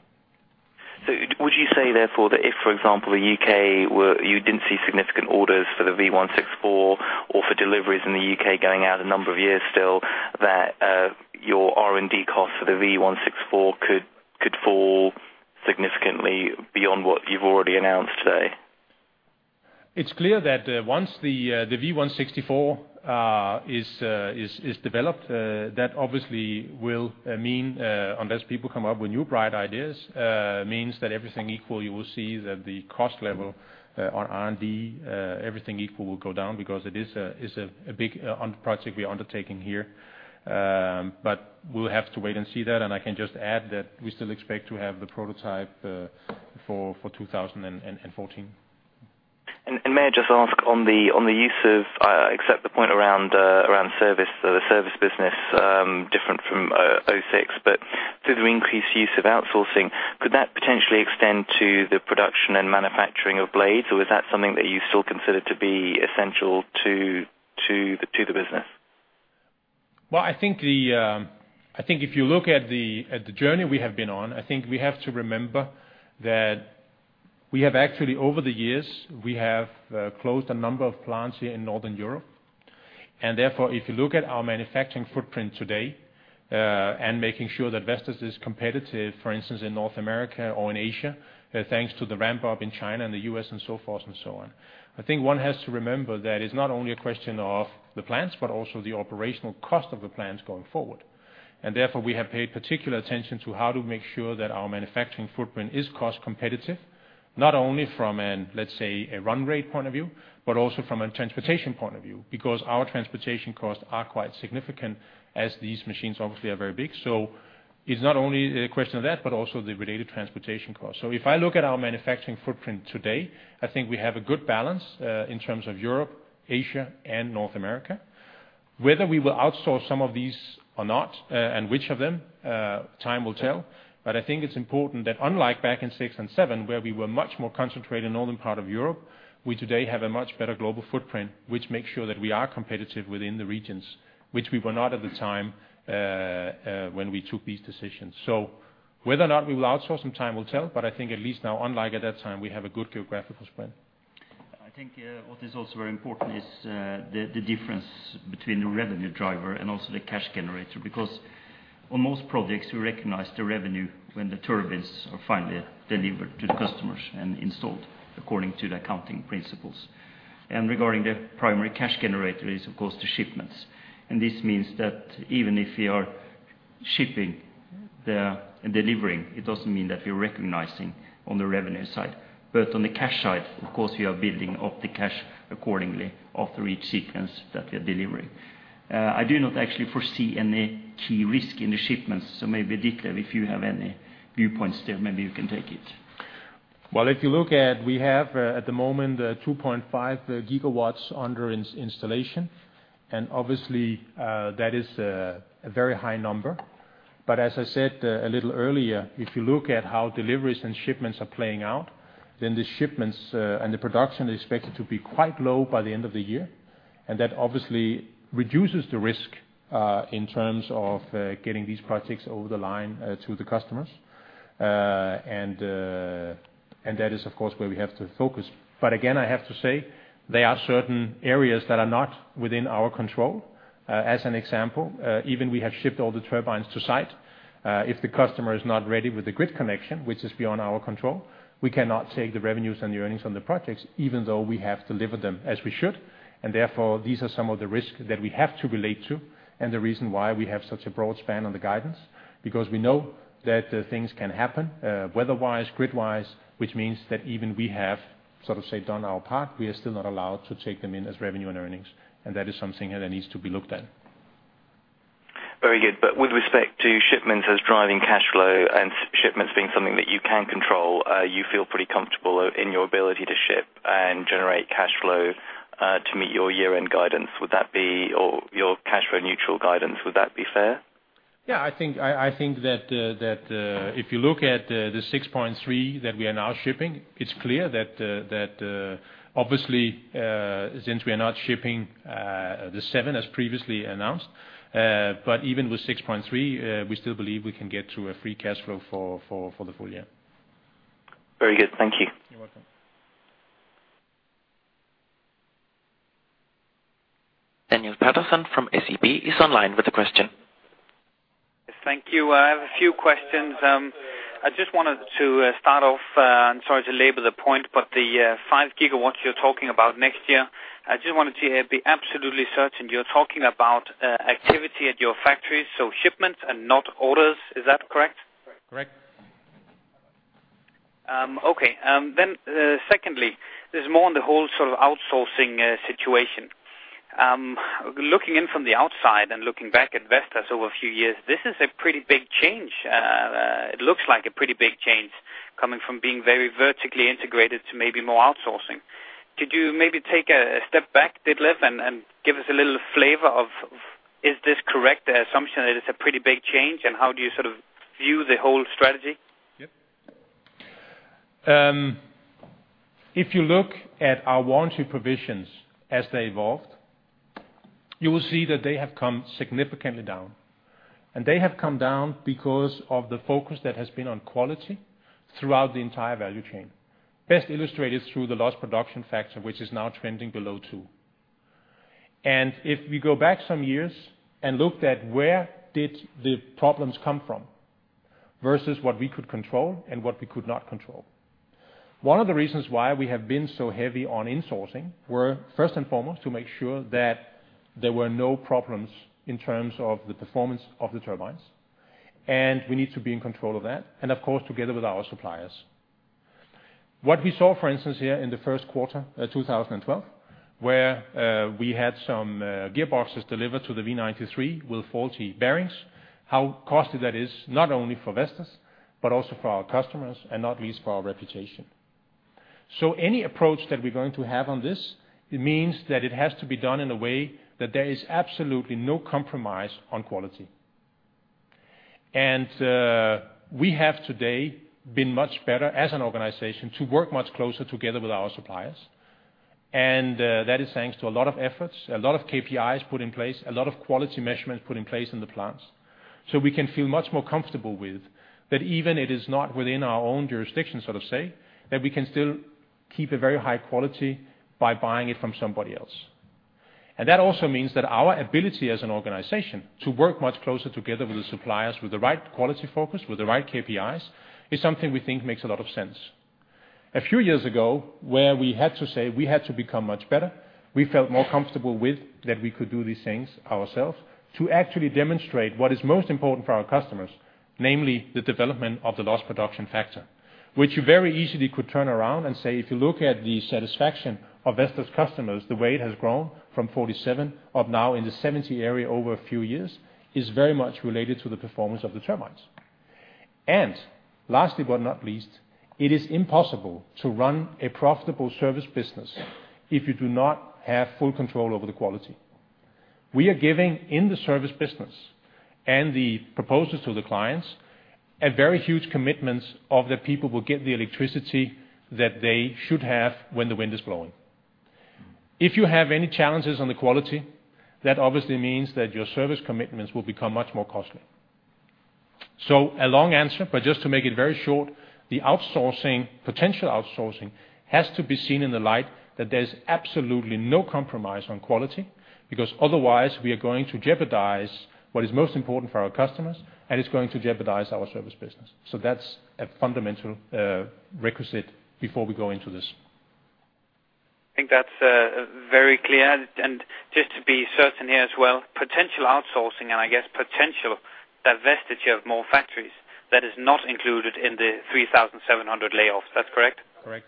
So would you say, therefore, that if, for example, the UK were you didn't see significant orders for the V164 or for deliveries in the UK going out a number of years still, that your R&D costs for the V164 could fall significantly beyond what you've already announced today? It's clear that, once the V164 is developed, that obviously will mean, unless people come up with new bright ideas, means that everything equal, you will see that the cost level on R&D, everything equal, will go down because it is a, it's a big project we are undertaking here. But we'll have to wait and see that, and I can just add that we still expect to have the prototype for 2014. May I just ask on the use of... I accept the point around service, the service business, different from 2006, but through the increased use of outsourcing, could that potentially extend to the production and manufacturing of blades? Or is that something that you still consider to be essential to the business? Well, I think the, I think if you look at the, at the journey we have been on, I think we have to remember that we have actually, over the years, we have, closed a number of plants here in Northern Europe. And therefore, if you look at our manufacturing footprint today, and making sure that Vestas is competitive, for instance, in North America or in Asia, thanks to the ramp-up in China and the U.S. and so forth and so on. I think one has to remember that it's not only a question of the plants, but also the operational cost of the plants going forward. And therefore, we have paid particular attention to how to make sure that our manufacturing footprint is cost competitive, not only from an, let's say, a run rate point of view, but also from a transportation point of view, because our transportation costs are quite significant, as these machines obviously are very big. So it's not only a question of that, but also the related transportation costs. So if I look at our manufacturing footprint today, I think we have a good balance, in terms of Europe, Asia, and North America.... Whether we will outsource some of these or not, and which of them, time will tell. I think it's important that unlike back in 2006 and 2007, where we were much more concentrated in northern part of Europe, we today have a much better global footprint, which makes sure that we are competitive within the regions, which we were not at the time, when we took these decisions. So whether or not we will outsource, time will tell, but I think at least now, unlike at that time, we have a good geographical spread. I think what is also very important is the difference between the revenue driver and also the cash generator, because on most projects, we recognize the revenue when the turbines are finally delivered to the customers and installed according to the accounting principles. And regarding the primary cash generator is, of course, the shipments. And this means that even if we are shipping, delivering, it doesn't mean that we are recognizing on the revenue side. But on the cash side, of course, we are building up the cash accordingly after each sequence that we are delivering. I do not actually foresee any key risk in the shipments, so maybe, Ditlev, if you have any viewpoints there, maybe you can take it. Well, if you look at, we have, at the moment, 2.5 GW under installation, and obviously, that is, a very high number. But as I said, a little earlier, if you look at how deliveries and shipments are playing out, then the shipments, and the production is expected to be quite low by the end of the year. And that obviously reduces the risk, in terms of, getting these projects over the line, to the customers. And, and that is, of course, where we have to focus. But again, I have to say, there are certain areas that are not within our control. As an example, even we have shipped all the turbines to site, if the customer is not ready with the grid connection, which is beyond our control, we cannot take the revenues and the earnings on the projects, even though we have delivered them as we should. Therefore, these are some of the risks that we have to relate to, and the reason why we have such a broad span on the guidance, because we know that things can happen, weather-wise, grid-wise, which means that even we have sort of, say, done our part, we are still not allowed to take them in as revenue and earnings, and that is something that needs to be looked at. Very good. With respect to shipments as driving cash flow and shipments being something that you can control, you feel pretty comfortable in your ability to ship and generate cash flow to meet your year-end guidance? Would that be, or your cash flow neutral guidance, would that be fair? Yeah, I think that if you look at the 6.3 that we are now shipping, it's clear that obviously, since we are not shipping the 7 as previously announced, but even with 6.3, we still believe we can get to a free cash flow for the full year. Very good. Thank you. You're welcome. Daniel Patterson from SEB is online with a question. Thank you. I have a few questions. I just wanted to start off, and sorry to labor the point, but the 5 gigawatts you're talking about next year, I just wanted to be absolutely certain you're talking about activity at your factory, so shipments and not orders. Is that correct? Correct. Okay. Then, secondly, there's more on the whole sort of outsourcing situation. Looking in from the outside and looking back at Vestas over a few years, this is a pretty big change. It looks like a pretty big change coming from being very vertically integrated to maybe more outsourcing. Could you maybe take a step back, Ditlev, and give us a little flavor of is this correct, the assumption that it's a pretty big change, and how do you sort of view the whole strategy? Yep. If you look at our warranty provisions as they evolved, you will see that they have come significantly down, and they have come down because of the focus that has been on quality throughout the entire value chain. Best illustrated through the lost production factor, which is now trending below two. And if we go back some years and looked at where did the problems come from versus what we could control and what we could not control, one of the reasons why we have been so heavy on insourcing were, first and foremost, to make sure that there were no problems in terms of the performance of the turbines, and we need to be in control of that, and of course, together with our suppliers. What we saw, for instance, here in the first quarter, 2012, where we had some gearboxes delivered to the V90-3.0 MW with faulty bearings, how costly that is, not only for Vestas, but also for our customers, and not least for our reputation. So any approach that we're going to have on this, it means that it has to be done in a way that there is absolutely no compromise on quality. We have today been much better as an organization to work much closer together with our suppliers, and that is thanks to a lot of efforts, a lot of KPIs put in place, a lot of quality measurements put in place in the plants. So we can feel much more comfortable with, that even it is not within our own jurisdiction, so to say, that we can still keep a very high quality by buying it from somebody else. And that also means that our ability as an organization to work much closer together with the suppliers, with the right quality focus, with the right KPIs, is something we think makes a lot of sense. A few years ago, where we had to say, we had to become much better, we felt more comfortable with, that we could do these things ourselves to actually demonstrate what is most important for our customers, namely, the development of the lost production factor. Which you very easily could turn around and say, if you look at the satisfaction of Vestas customers, the way it has grown from 47 of now in the 70 area over a few years, is very much related to the performance of the turbines. And lastly, but not least, it is impossible to run a profitable service business if you do not have full control over the quality. We are giving in the service business, and the proposals to the clients, a very huge commitments of the people will get the electricity that they should have when the wind is blowing. If you have any challenges on the quality, that obviously means that your service commitments will become much more costly. So a long answer, but just to make it very short, the outsourcing, potential outsourcing, has to be seen in the light that there's absolutely no compromise on quality, because otherwise we are going to jeopardize what is most important for our customers, and it's going to jeopardize our service business. So that's a fundamental requisite before we go into this. I think that's very clear. Just to be certain here as well, potential outsourcing, and I guess potential divestiture of more factories, that is not included in the 3,700 layoffs. That's correct? Correct.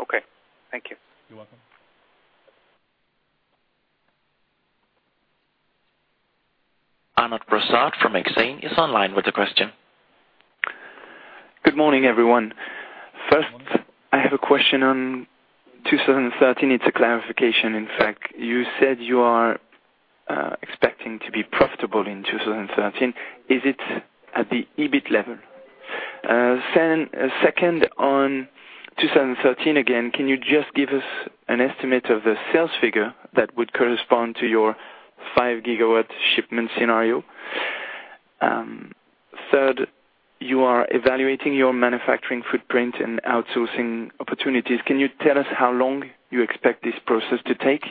Okay, thank you. You're welcome. Arnaud Brossard from Exane is online with a question. Good morning, everyone. First, I have a question on 2013. It's a clarification, in fact. You said you are expecting to be profitable in 2013. Is it at the EBIT level? Second, on 2013 again, can you just give us an estimate of the sales figure that would correspond to your 5 GW shipment scenario? Third, you are evaluating your manufacturing footprint and outsourcing opportunities. Can you tell us how long you expect this process to take?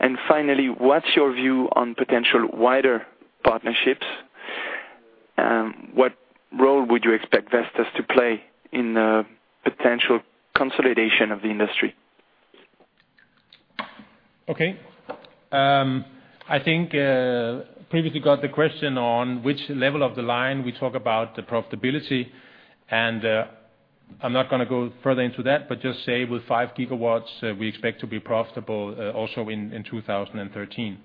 And finally, what's your view on potential wider partnerships, what role would you expect Vestas to play in potential consolidation of the industry? Okay. I think previously got the question on which level of the line we talk about the profitability, and I'm not going to go further into that, but just say with 5 gigawatts, we expect to be profitable, also in 2013.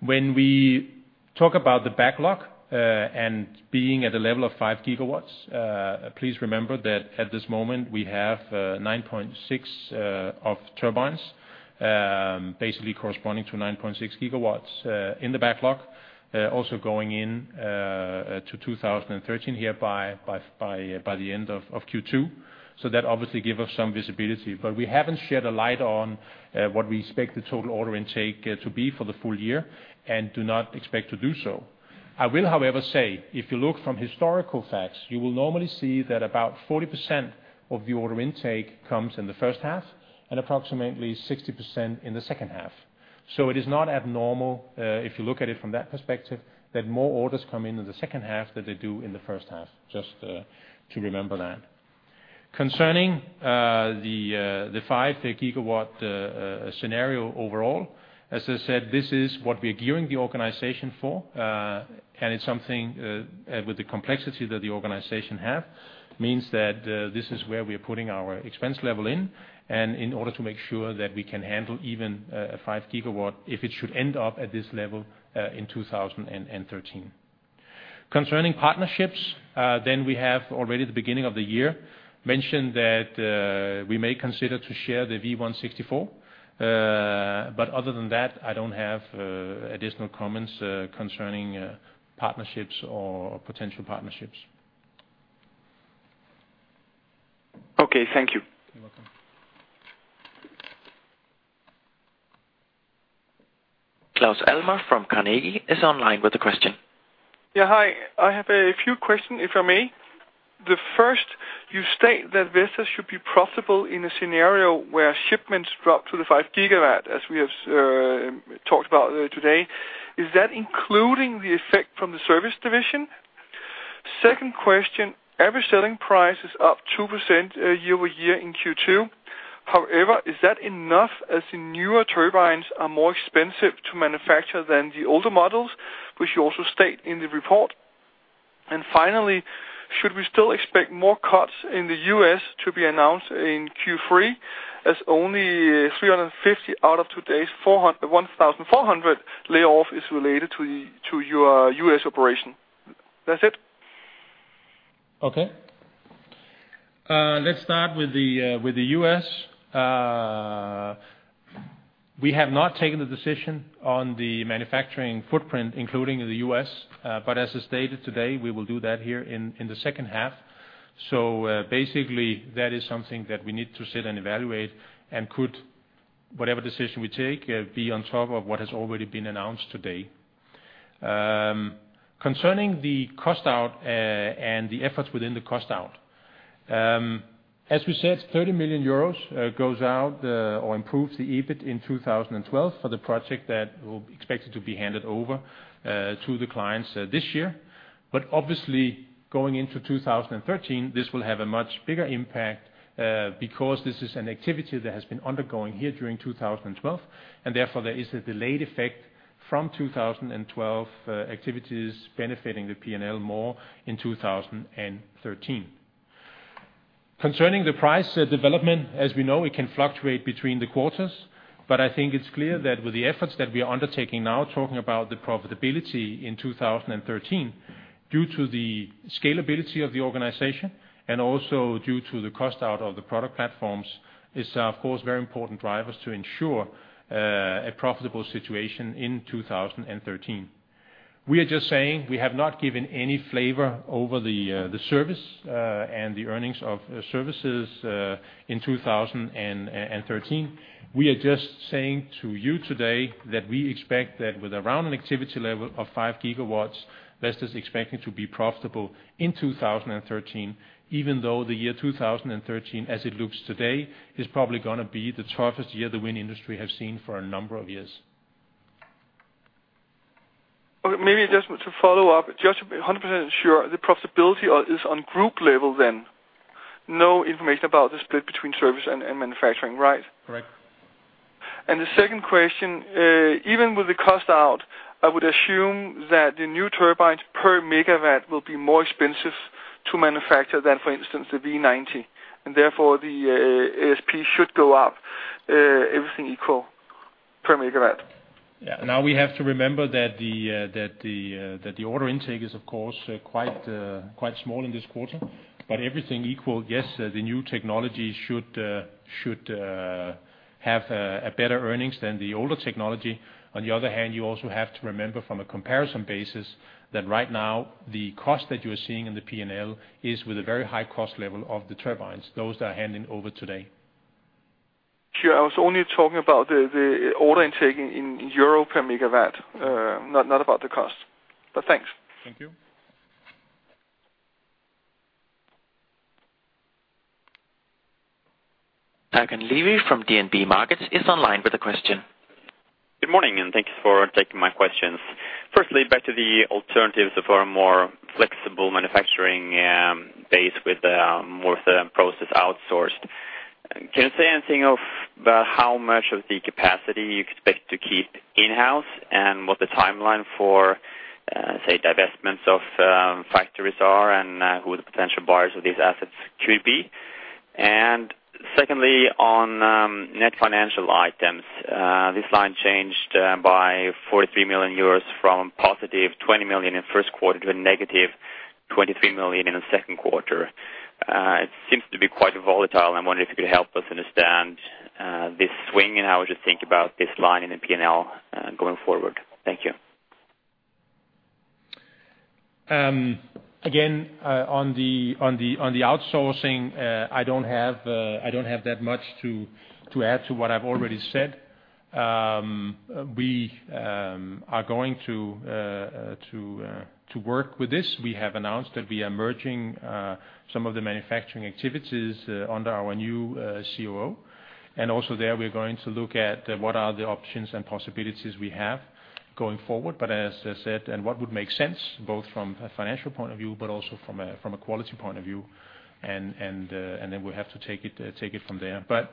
When we talk about the backlog, and being at a level of 5 gigawatts, please remember that at this moment, we have 9.6 of turbines, basically corresponding to 9.6 gigawatts in the backlog. Also going in to 2013 here by the end of Q2. So that obviously give us some visibility. But we haven't shed a light on what we expect the total order intake to be for the full year, and do not expect to do so. I will, however, say if you look from historical facts, you will normally see that about 40% of the order intake comes in the first half and approximately 60% in the second half. So it is not abnormal, if you look at it from that perspective, that more orders come in in the second half than they do in the first half, just to remember that. Concerning the 5 GW scenario overall, as I said, this is what we are gearing the organization for, and it's something with the complexity that the organization have, means that this is where we are putting our expense level in, and in order to make sure that we can handle even a 5 GW, if it should end up at this level in 2013. Concerning partnerships, then we have already the beginning of the year, mentioned that we may consider to share the V164. But other than that, I don't have additional comments concerning partnerships or potential partnerships. Okay. Thank you. You're welcome. Claus Almer from Carnegie is online with the question. Yeah, hi. I have a few questions, if I may. The first, you state that Vestas should be profitable in a scenario where shipments drop to the 5 GW, as we have talked about today. Is that including the effect from the service division? Second question, average selling price is up 2% year-over-year in Q2. However, is that enough, as the newer turbines are more expensive to manufacture than the older models, which you also state in the report? And finally, should we still expect more cuts in the US to be announced in Q3, as only 350 out of today's 400-1,400 layoff is related to your US operation? That's it. Okay. Let's start with the, with the U.S. We have not taken the decision on the manufacturing footprint, including the U.S., but as I stated today, we will do that here in, in the second half. So, basically, that is something that we need to sit and evaluate and could, whatever decision we take, be on top of what has already been announced today. Concerning the cost out, and the efforts within the cost out. As we said, 30 million euros goes out or improves the EBIT in 2012 for the project that will be expected to be handed over to the clients this year. But obviously, going into 2013, this will have a much bigger impact, because this is an activity that has been undergoing here during 2012, and therefore there is a delayed effect from 2012 activities benefiting the P&L more in 2013. Concerning the price development, as we know, it can fluctuate between the quarters, but I think it's clear that with the efforts that we are undertaking now, talking about the profitability in 2013, due to the scalability of the organization and also due to the cost out of the product platforms, is of course, very important drivers to ensure a profitable situation in 2013. We are just saying we have not given any flavor over the service and the earnings of services in 2013. We are just saying to you today that we expect that with around an activity level of 5 GW, Vestas is expecting to be profitable in 2013, even though the year 2013, as it looks today, is probably gonna be the toughest year the wind industry have seen for a number of years. Okay, maybe just to follow up, just to be 100% sure, the profitability is on group level, then? No information about the split between service and manufacturing, right? Correct. The second question, even with the cost out, I would assume that the new turbines per megawatt will be more expensive to manufacture than, for instance, the V90, and therefore, the ASP should go up, everything equal per megawatt. Yeah. Now, we have to remember that the order intake is, of course, quite small in this quarter. But everything equal, yes, the new technology should have a better earnings than the older technology. On the other hand, you also have to remember from a comparison basis, that right now, the cost that you are seeing in the P&L is with a very high cost level of the turbines, those that are handing over today. Sure. I was only talking about the order intake in euro per megawatt, not about the cost. But thanks. Thank you. Håkon Levy from DNB Markets is online with a question. Good morning, and thank you for taking my questions. Firstly, back to the alternatives of our more flexible manufacturing base with more of the process outsourced. Can you say anything about how much of the capacity you expect to keep in-house, and what the timeline for say divestments of factories are, and who the potential buyers of these assets could be? And secondly, on net financial items, this line changed by 43 million euros from positive 20 million in first quarter to a negative 23 million in the second quarter. It seems to be quite volatile. I'm wondering if you could help us understand this swing, and how would you think about this line in the P&L going forward? Thank you. Again, on the outsourcing, I don't have that much to add to what I've already said. We are going to work with this. We have announced that we are merging some of the manufacturing activities under our new COO. And also there, we're going to look at what are the options and possibilities we have going forward. But as I said, what would make sense, both from a financial point of view, but also from a quality point of view, and then we'll have to take it from there. But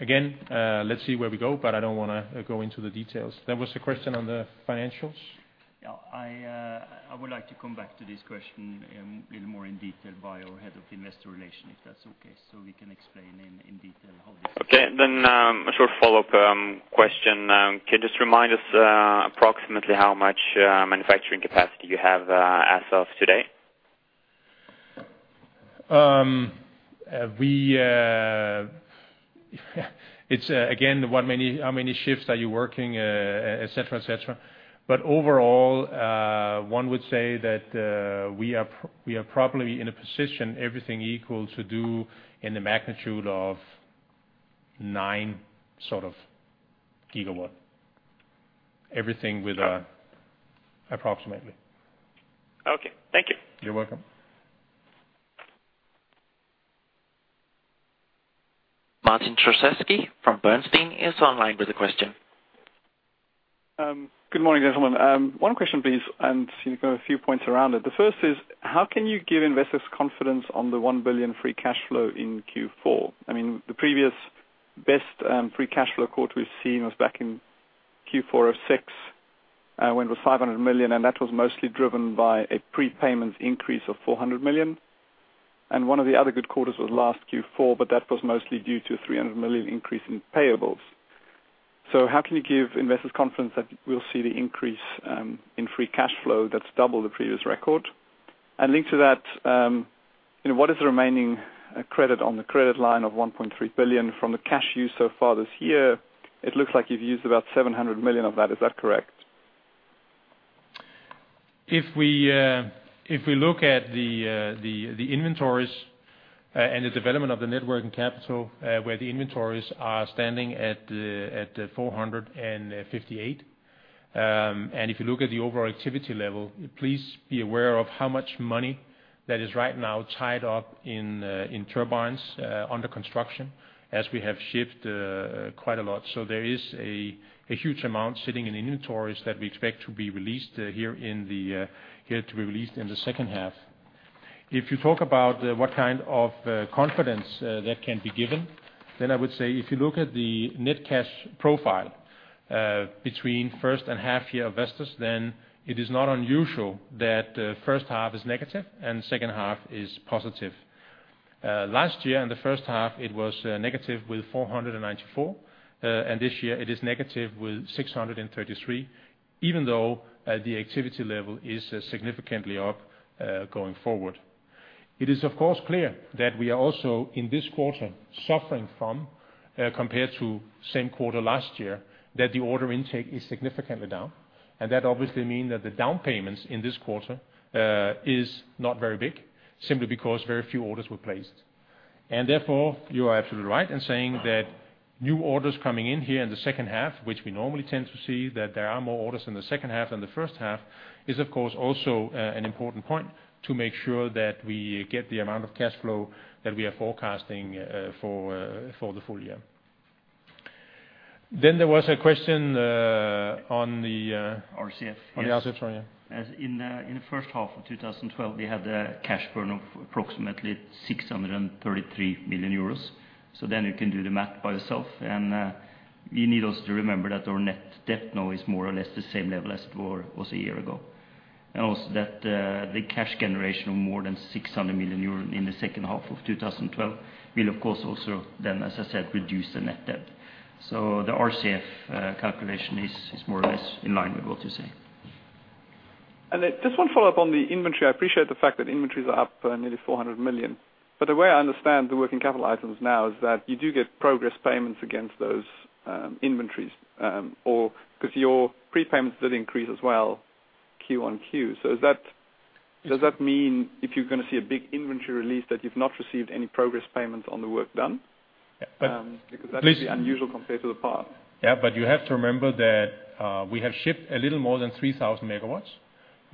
again, let's see where we go, but I don't wanna go into the details. There was a question on the financials? Yeah, I, I would like to come back to this question in little more in detail by our head of investor relations, if that's okay, so we can explain in, in detail how this- Okay. Then, a short follow-up question. Can you just remind us approximately how much manufacturing capacity you have as of today? It's again, how many shifts are you working, et cetera, et cetera. But overall, one would say that we are probably in a position, everything equal, to do in the magnitude of 9, sort of, gigawatt. Everything with approximately. Okay. Thank you. You're welcome. Martin Prozesky from Bernstein is online with a question. Good morning, gentlemen. One question, please, and you've got a few points around it. The first is, how can you give investors confidence on the 1 billion free cash flow in Q4? I mean, the previous best, free cash flow quarter we've seen was back in Q4 of 2006, when it was 500 million, and that was mostly driven by a prepayment increase of 400 million. And one of the other good quarters was last Q4, but that was mostly due to 300 million increase in payables. So how can you give investors confidence that we'll see the increase, in free cash flow that's double the previous record? And linked to that, what is the remaining credit on the credit line of 1.3 billion from the cash use so far this year? It looks like you've used about 700 million of that. Is that correct? If we look at the inventories and the development of the net working capital, where the inventories are standing at 458 million, and if you look at the overall activity level, please be aware of how much money that is right now tied up in turbines under construction, as we have shipped quite a lot. So there is a huge amount sitting in inventories that we expect to be released in the second half. If you talk about what kind of confidence that can be given?... Then I would say, if you look at the net cash profile, between first half year Vestas, then it is not unusual that the first half is negative and second half is positive. Last year, in the first half, it was negative with 494 million, and this year it is negative with 633 million, even though the activity level is significantly up, going forward. It is, of course, clear that we are also, in this quarter, suffering from, compared to same quarter last year, that the order intake is significantly down. And that obviously mean that the down payments in this quarter is not very big, simply because very few orders were placed. And therefore, you are absolutely right in saying that new orders coming in here in the second half, which we normally tend to see, that there are more orders in the second half than the first half, is, of course, also, an important point to make sure that we get the amount of cash flow that we are forecasting, for, for the full year. Then there was a question on the, RCF. On the RCF, sorry, yeah. As in, in the first half of 2012, we had a cash burn of approximately 633 million euros. So then you can do the math by yourself. And, you need also to remember that our net debt now is more or less the same level as it were also a year ago. And also that, the cash generation of more than 600 million euros in the second half of 2012 will, of course, also then, as I said, reduce the net debt. So the RCF, calculation is, is more or less in line with what you say. And then just one follow-up on the inventory. I appreciate the fact that inventories are up nearly 400 million. But the way I understand the working capital items now is that you do get progress payments against those inventories, or because your prepayments did increase as well, Q on Q. So is that- Yes. Does that mean if you're going to see a big inventory release, that you've not received any progress payments on the work done? Yeah, but listen- Because that's unusual compared to the past. Yeah, but you have to remember that, we have shipped a little more than 3,000 MW.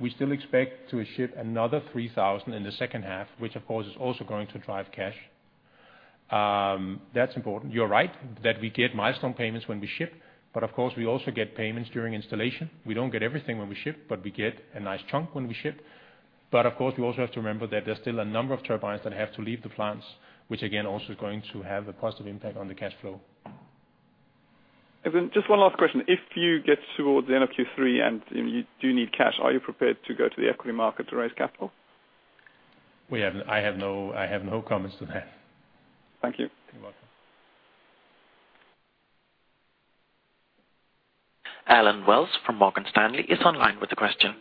We still expect to ship another 3,000 in the second half, which, of course, is also going to drive cash. That's important. You're right, that we get milestone payments when we ship, but of course, we also get payments during installation. We don't get everything when we ship, but we get a nice chunk when we ship. But of course, we also have to remember that there's still a number of turbines that have to leave the plants, which again, also is going to have a positive impact on the cash flow. Then just one last question: If you get towards the end of Q3, and you, you do need cash, are you prepared to go to the equity market to raise capital? I have no comments to that. Thank you. You're welcome. Ben Wells from Morgan Stanley is online with a question.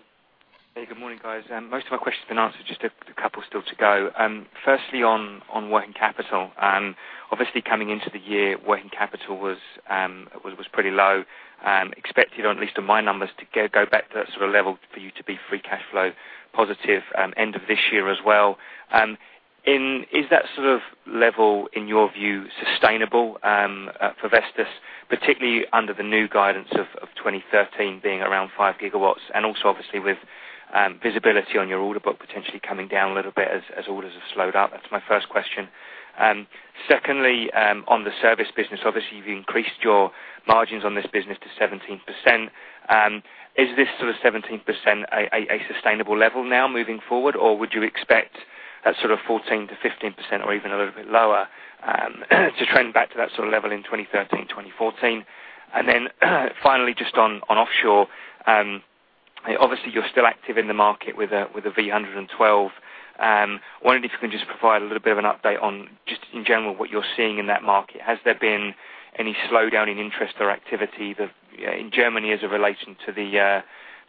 Hey, good morning, guys. Most of my questions have been answered, just a couple still to go. Firstly, on working capital. Obviously, coming into the year, working capital was pretty low. Expected, or at least in my numbers, to go back to that sort of level for you to be free cash flow positive, end of this year as well. Is that sort of level, in your view, sustainable for Vestas, particularly under the new guidance of 2013 being around 5 GW, and also obviously with visibility on your order book potentially coming down a little bit as orders have slowed up? That's my first question. Secondly, on the service business, obviously, you've increased your margins on this business to 17%. Is this sort of 17% a sustainable level now moving forward, or would you expect a sort of 14%-15% or even a little bit lower to trend back to that sort of level in 2013, 2014? And then, finally, just on offshore, obviously, you're still active in the market with a V112. Wondering if you can just provide a little bit of an update on just in general, what you're seeing in that market. Has there been any slowdown in interest or activity in Germany, as it relating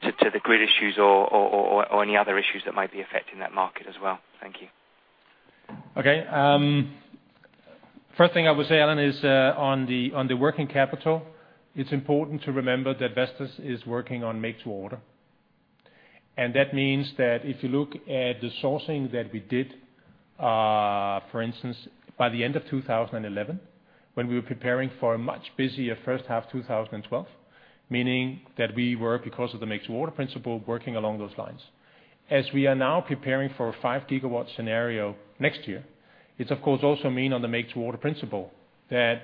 to the grid issues or any other issues that might be affecting that market as well? Thank you. Okay, first thing I would say, Ben, is, on the working capital, it's important to remember that Vestas is working on make to order. And that means that if you look at the sourcing that we did, for instance, by the end of 2011, when we were preparing for a much busier first half of 2012, meaning that we were, because of the make to order principle, working along those lines. As we are now preparing for a 5 GW scenario next year, it's of course, also mean on the make to order principle, that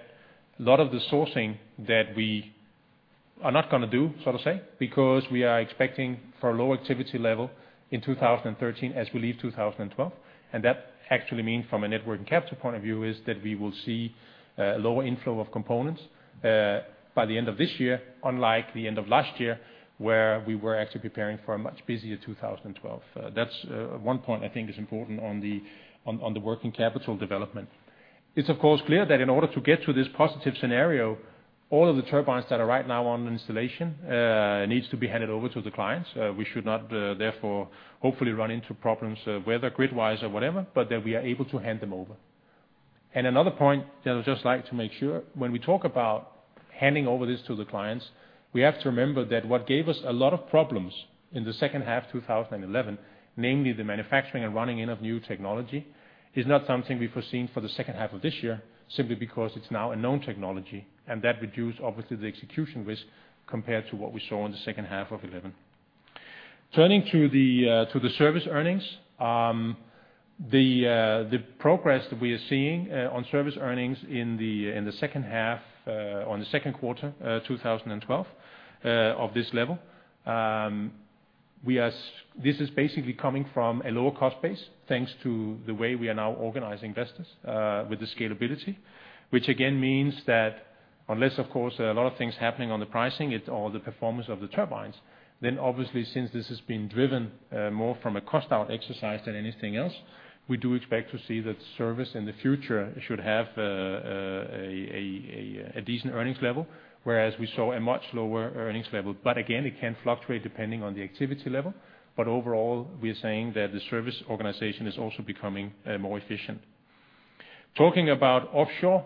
a lot of the sourcing that we are not going to do, so to say, because we are expecting for a lower activity level in 2013, as we leave 2012. And that actually mean from a Net Working Capital point of view, is that we will see lower inflow of components by the end of this year, unlike the end of last year, where we were actually preparing for a much busier 2012. That's one point I think is important on the working capital development. It's, of course, clear that in order to get to this positive scenario, all of the turbines that are right now on installation needs to be handed over to the clients. We should not, therefore, hopefully run into problems, whether grid-wise or whatever, but that we are able to hand them over. Another point that I'd just like to make sure, when we talk about handing over this to the clients, we have to remember that what gave us a lot of problems in the second half of 2011, namely the manufacturing and running in of new technology, is not something we foreseen for the second half of this year, simply because it's now a known technology, and that reduce, obviously, the execution risk compared to what we saw in the second half of 2011. Turning to the service earnings, the progress that we are seeing on service earnings in the second half on the second quarter 2012 of this level. We are seeing this is basically coming from a lower cost base, thanks to the way we are now organizing Vestas, with the scalability, which again means that unless, of course, there are a lot of things happening on the pricing, or the performance of the turbines, then obviously, since this has been driven more from a cost out exercise than anything else, we do expect to see that service in the future should have a decent earnings level, whereas we saw a much lower earnings level. But again, it can fluctuate depending on the activity level. But overall, we are saying that the service organization is also becoming more efficient. Talking about offshore,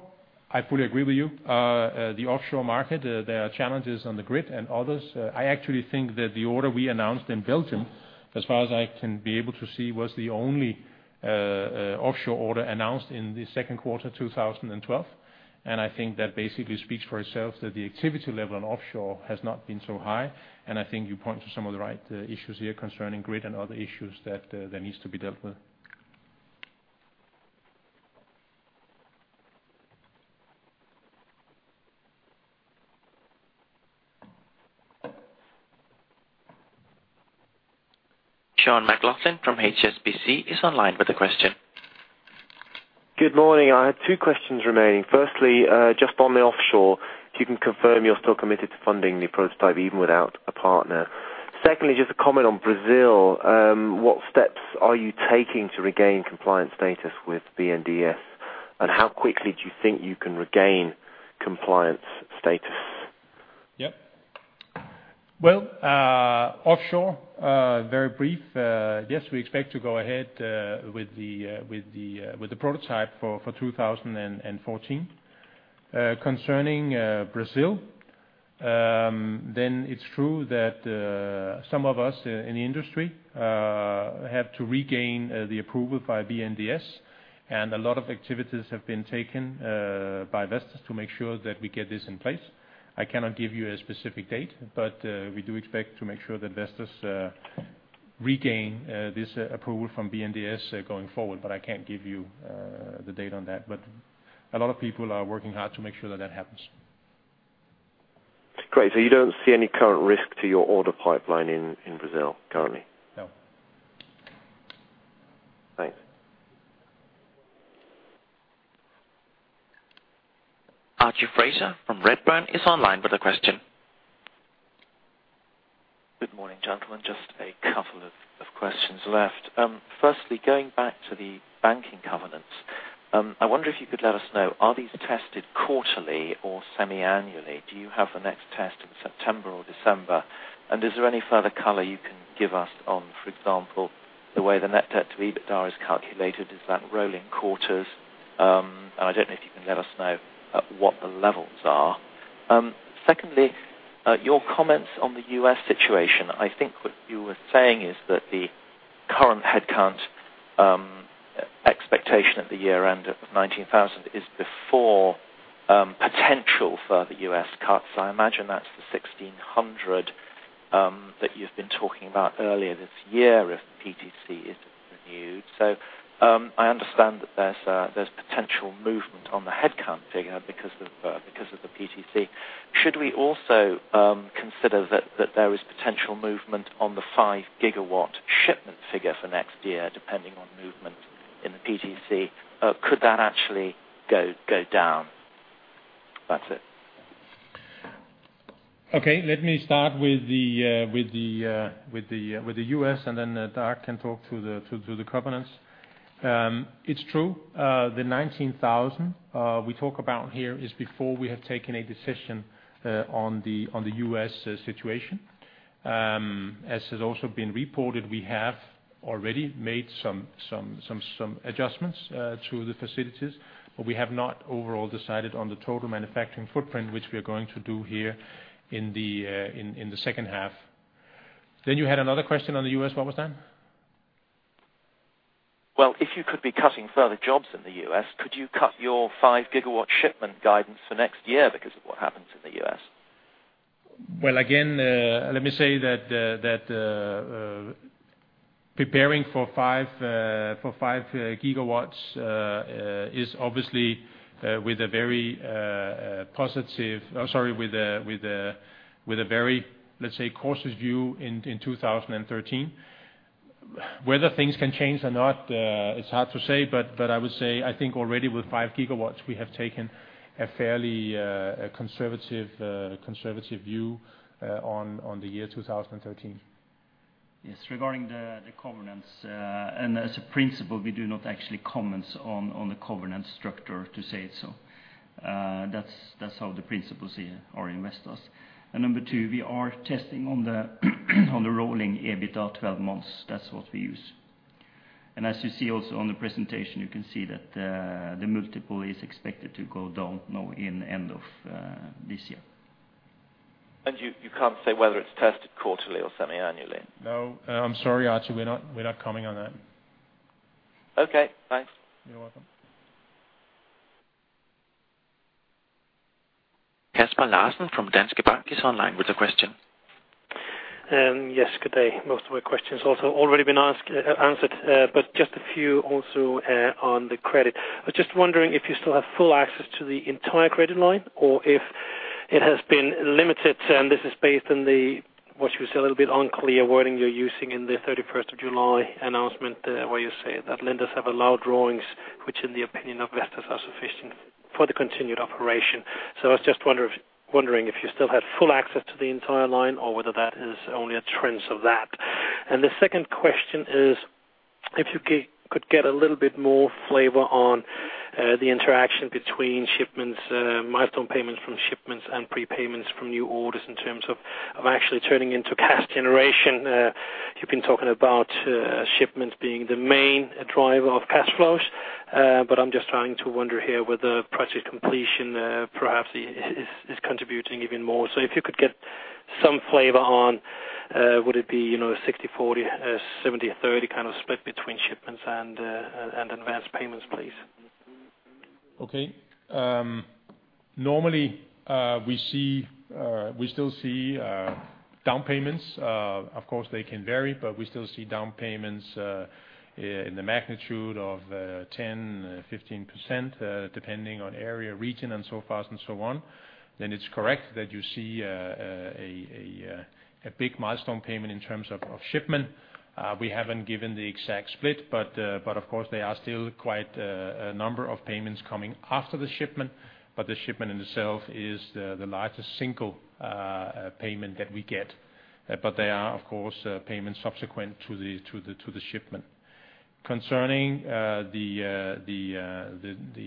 I fully agree with you. The offshore market, there are challenges on the grid and others. I actually think that the order we announced in Belgium, as far as I can be able to see, was the only offshore order announced in the second quarter, 2012. And I think that basically speaks for itself, that the activity level on offshore has not been so high, and I think you point to some of the right issues here concerning grid and other issues that needs to be dealt with. Sean McLoughlin from HSBC is online with a question. Good morning. I have two questions remaining. Firstly, just on the offshore, you can confirm you're still committed to funding the prototype even without a partner? Secondly, just a comment on Brazil. What steps are you taking to regain compliance status with BNDES, and how quickly do you think you can regain compliance status? Yep. Well, offshore, very brief. Yes, we expect to go ahead with the prototype for 2014. Concerning Brazil, then it's true that some of us in the industry have to regain the approval by BNDES, and a lot of activities have been taken by Vestas to make sure that we get this in place. I cannot give you a specific date, but we do expect to make sure that Vestas regain this approval from BNDES going forward, but I can't give you the date on that. But a lot of people are working hard to make sure that that happens. Great. So you don't see any current risk to your order pipeline in Brazil currently? No. Thanks. Archie Fraser from Redburn is online with a question. Good morning, gentlemen. Just a couple of questions left. Firstly, going back to the banking covenants, I wonder if you could let us know, are these tested quarterly or semiannually? Do you have the next test in September or December? And is there any further color you can give us on, for example, the way the net debt to EBITDA is calculated, is that rolling quarters? And I don't know if you can let us know, what the levels are. Secondly, your comments on the U.S. situation. I think what you were saying is that the current headcount, expectation at the year-end of 19,000 is before, potential further U.S. cuts. I imagine that's the 1,600, that you've been talking about earlier this year, if PTC is renewed. I understand that there's potential movement on the headcount figure because of the PTC. Should we also consider that there is potential movement on the 5 GW shipment figure for next year, depending on movement in the PTC? Or could that actually go down? That's it. Okay. Let me start with the US, and then Dag can talk to the covenants. It's true, the 19,000 we talk about here is before we have taken a decision on the US situation. As has also been reported, we have already made some adjustments to the facilities, but we have not overall decided on the total manufacturing footprint, which we are going to do here in the second half. Then you had another question on the US. What was that? Well, if you could be cutting further jobs in the U.S., could you cut your 5 GW shipment guidance for next year because of what happens in the U.S.? Well, again, let me say that preparing for 5 GW is obviously with a very positive, sorry, with a very, let's say, cautious view in 2013. Whether things can change or not, it's hard to say, but I would say, I think already with 5 GW, we have taken a fairly conservative view on the year 2013. Yes, regarding the, the covenants, and as a principle, we do not actually comment on, on the covenant structure, to say it. So, that's, that's how the principles are in Vestas. And number 2, we are testing on the, on the rolling EBITDA 12 months. That's what we use. And as you see also on the presentation, you can see that, the multiple is expected to go down, now, in end of, this year. You, you can't say whether it's tested quarterly or semiannually? No, I'm sorry, Archie, we're not, we're not commenting on that. Okay. Thanks. You're welcome. Kasper Larsen from Danske Bank is online with a question. Yes, good day. Most of my questions also already been asked, answered, but just a few also, on the credit. I was just wondering if you still have full access to the entire credit line, or if it has been limited, and this is based on the, what you say, a little bit unclear wording you're using in the thirty-first of July announcement, where you say that lenders have allowed drawings, which in the opinion of Vestas, are sufficient for the continued operation. So I was just wondering if you still had full access to the entire line or whether that is only a tranche of that. The second question is, if you could get a little bit more flavor on the interaction between shipments, milestone payments from shipments and prepayments from new orders in terms of actually turning into cash generation. You've been talking about shipments being the main driver of cash flows, but I'm just trying to wonder here whether project completion perhaps is contributing even more. If you could get some flavor on, would it be, you know, 60/40, 70/30 kind of split between shipments and advanced payments, please? Okay. Normally, we see, we still see down payments. Of course, they can vary, but we still see down payments in the magnitude of 10-15%, depending on area, region, and so forth and so on. Then it's correct that you see a big milestone payment in terms of shipment. We haven't given the exact split, but of course, there are still quite a number of payments coming after the shipment. But the shipment in itself is the largest single payment that we get. But there are, of course, payments subsequent to the shipment. Concerning the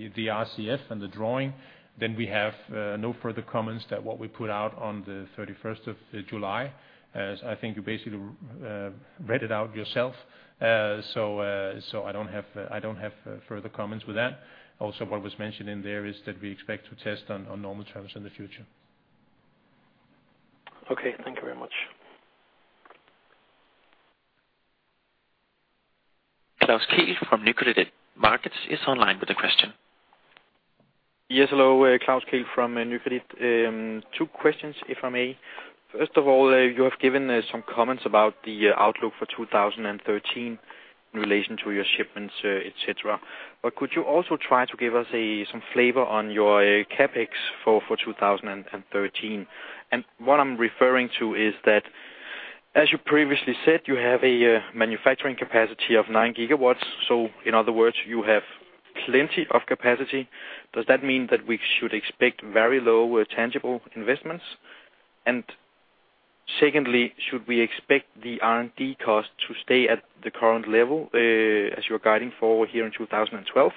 RCF and the drawing, then we have no further comments than what we put out on the thirty-first of July. As I think you basically read it out yourself. So, so I don't have, I don't have further comments with that. Also, what was mentioned in there is that we expect to test on, on normal terms in the future. Okay, thank you very much. Klaus Kehl from Nykredit Markets is online with a question. Yes, hello, Klaus Kehl from Nykredit. Two questions, if I may. First of all, you have given some comments about the outlook for 2013 in relation to your shipments, et cetera. But could you also try to give us some flavor on your CapEx for 2013? And what I'm referring to is that, as you previously said, you have a manufacturing capacity of 9 GW. So in other words, you have plenty of capacity. Does that mean that we should expect very low tangible investments? And secondly, should we expect the R&D cost to stay at the current level, as you're guiding for here in 2012?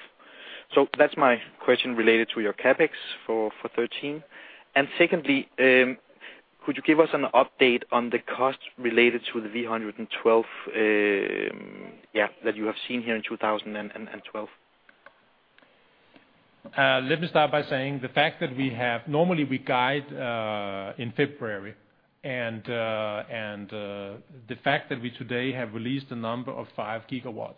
So that's my question related to your CapEx for 2013. Secondly, could you give us an update on the costs related to the V112, yeah, that you have seen here in 2012? Let me start by saying the fact that normally we guide in February, and the fact that we today have released a number of 5 GW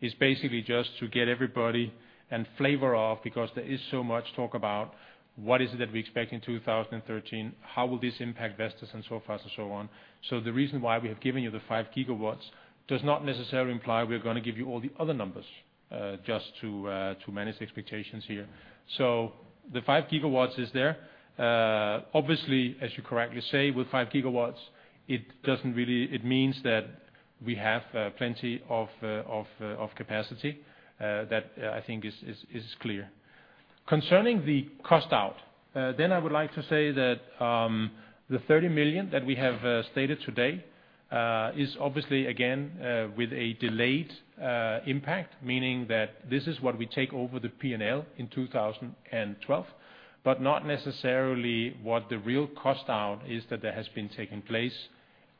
is basically just to get everybody a flavor of, because there is so much talk about what is it that we expect in 2013, how will this impact Vestas, and so forth and so on. So the reason why we have given you the 5 GW does not necessarily imply we're gonna give you all the other numbers, just to manage expectations here. So the 5 GW is there. Obviously, as you correctly say, with 5 GW, it doesn't really. It means that we have plenty of capacity that I think is clear. Concerning the cost out, then I would like to say that the 30 million that we have stated today is obviously, again, with a delayed impact, meaning that this is what we take over the P&L in 2012, but not necessarily what the real cost out is that there has been taking place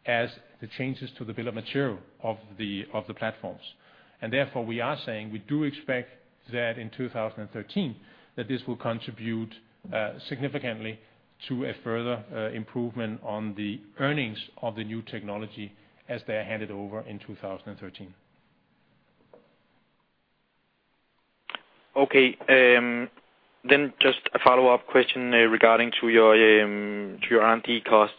as the changes to the bill of material of the platforms. And therefore, we are saying we do expect that in 2013, that this will contribute significantly to a further improvement on the earnings of the new technology as they are handed over in 2013. Okay, then just a follow-up question regarding your R&D costs.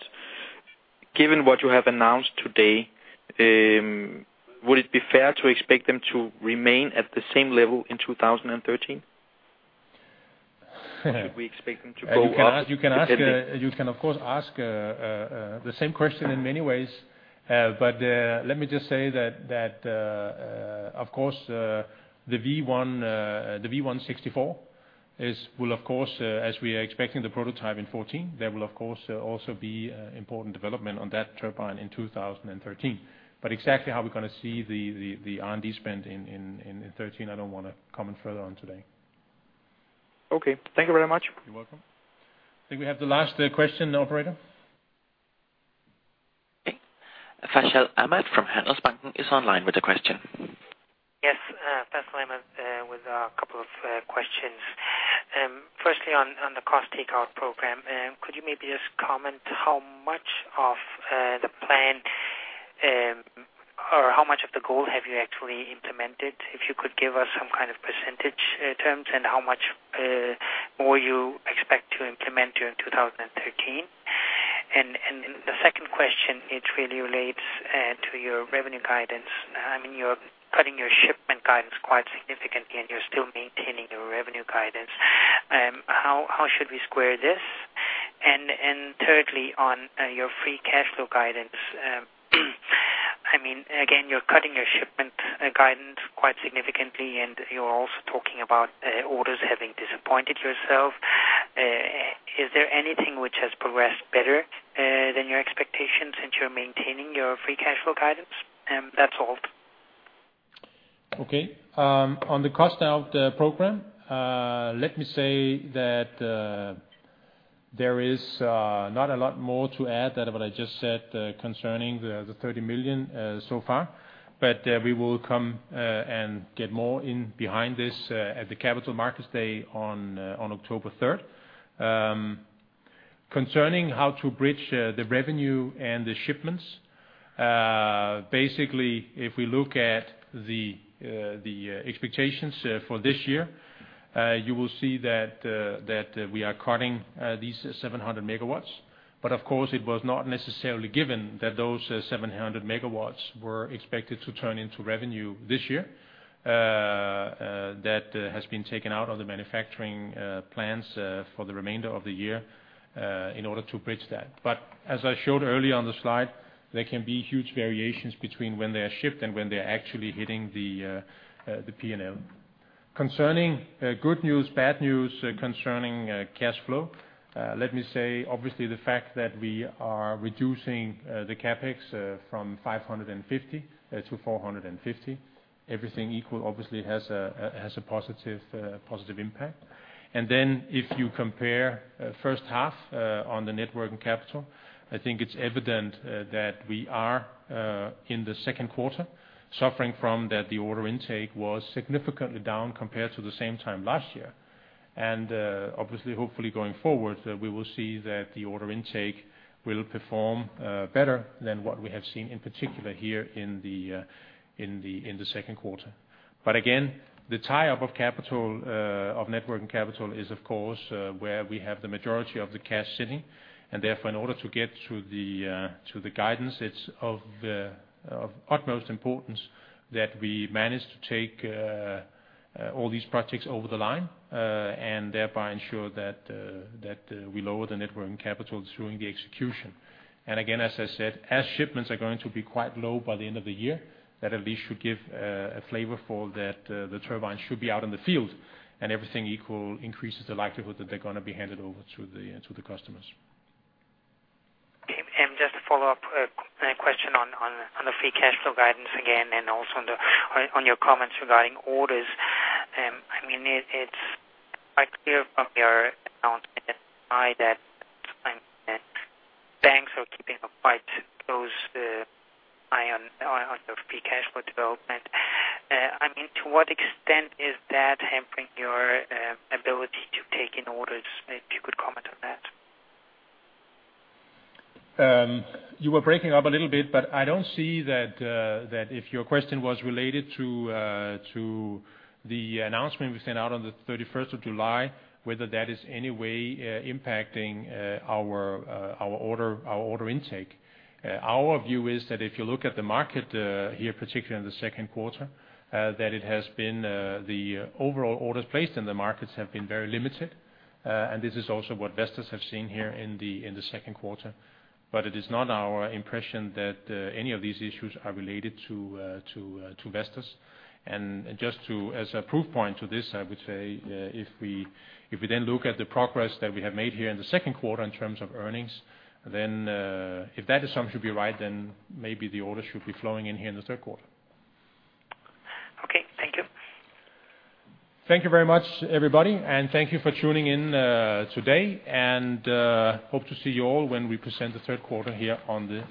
Given what you have announced today, would it be fair to expect them to remain at the same level in 2013? Should we expect them to go up? You can ask, you can, of course, ask the same question in many ways. But let me just say that, of course, the V164 will, of course, as we are expecting the prototype in 2014, there will of course also be important development on that turbine in 2013. But exactly how we're gonna see the R&D spend in 2013, I don't wanna comment further on today. Okay. Thank you very much. You're welcome. I think we have the last question, operator. Okay. Faisal Ahmad from Handelsbanken Capital Markets is online with the question. Yes, Faisal Ahmad with a couple of questions. Firstly, on the cost takeout program, could you maybe just comment how much of the plan or how much of the goal have you actually implemented? If you could give us some kind of percentage terms and how much more you expect to implement during 2013?... The second question really relates to your revenue guidance. I mean, you're cutting your shipment guidance quite significantly, and you're still maintaining your revenue guidance. How should we square this? And thirdly, on your free cash flow guidance, I mean, again, you're cutting your shipment guidance quite significantly, and you're also talking about orders having disappointed yourself. Is there anything which has progressed better than your expectations since you're maintaining your free cash flow guidance? That's all. Okay. On the cost of the program, let me say that there is not a lot more to add than what I just said concerning the 30 million so far. But we will come and get more in behind this at the Capital Markets Day on October third. Concerning how to bridge the revenue and the shipments, basically, if we look at the expectations for this year, you will see that we are cutting these 700 MW. But, of course, it was not necessarily given that those 700 MW were expected to turn into revenue this year. That has been taken out of the manufacturing plans for the remainder of the year in order to bridge that. But as I showed earlier on the slide, there can be huge variations between when they are shipped and when they're actually hitting the P&L. Concerning good news, bad news concerning cash flow, let me say, obviously, the fact that we are reducing the CapEx from 550 to 450, everything equal, obviously, has a positive impact. And then, if you compare first half on the net working capital, I think it's evident that we are in the second quarter suffering from that the order intake was significantly down compared to the same time last year. Obviously, hopefully, going forward, we will see that the order intake will perform better than what we have seen, in particular, here in the second quarter. But again, the tie-up of capital of Net Working Capital is, of course, where we have the majority of the cash sitting, and therefore, in order to get through to the guidance, it's of utmost importance that we manage to take all these projects over the line, and thereby ensure that we lower the Net Working Capital during the execution. And again, as I said, as shipments are going to be quite low by the end of the year, that at least should give a flavor for that, the turbines should be out in the field, and everything equal increases the likelihood that they're gonna be handed over to the, to the customers. Okay. And just to follow up, a question on the Free Cash Flow guidance again, and also on your comments regarding orders. I mean, it's quite clear from your announcement that banks are keeping a quite close eye on your Free Cash Flow development. I mean, to what extent is that hampering your ability to take in orders? If you could comment on that. You were breaking up a little bit, but I don't see that if your question was related to the announcement we sent out on the 31st of July, whether that is any way impacting our order intake. Our view is that if you look at the market here, particularly in the second quarter, that it has been the overall orders placed in the markets have been very limited, and this is also what Vestas have seen here in the second quarter. But it is not our impression that any of these issues are related to Vestas. Just to, as a proof point to this, I would say, if we, if we then look at the progress that we have made here in the second quarter in terms of earnings, then, if that assumption should be right, then maybe the orders should be flowing in here in the third quarter. Okay. Thank you. Thank you very much, everybody, and thank you for tuning in today. Hope to see you all when we present the third quarter here on the-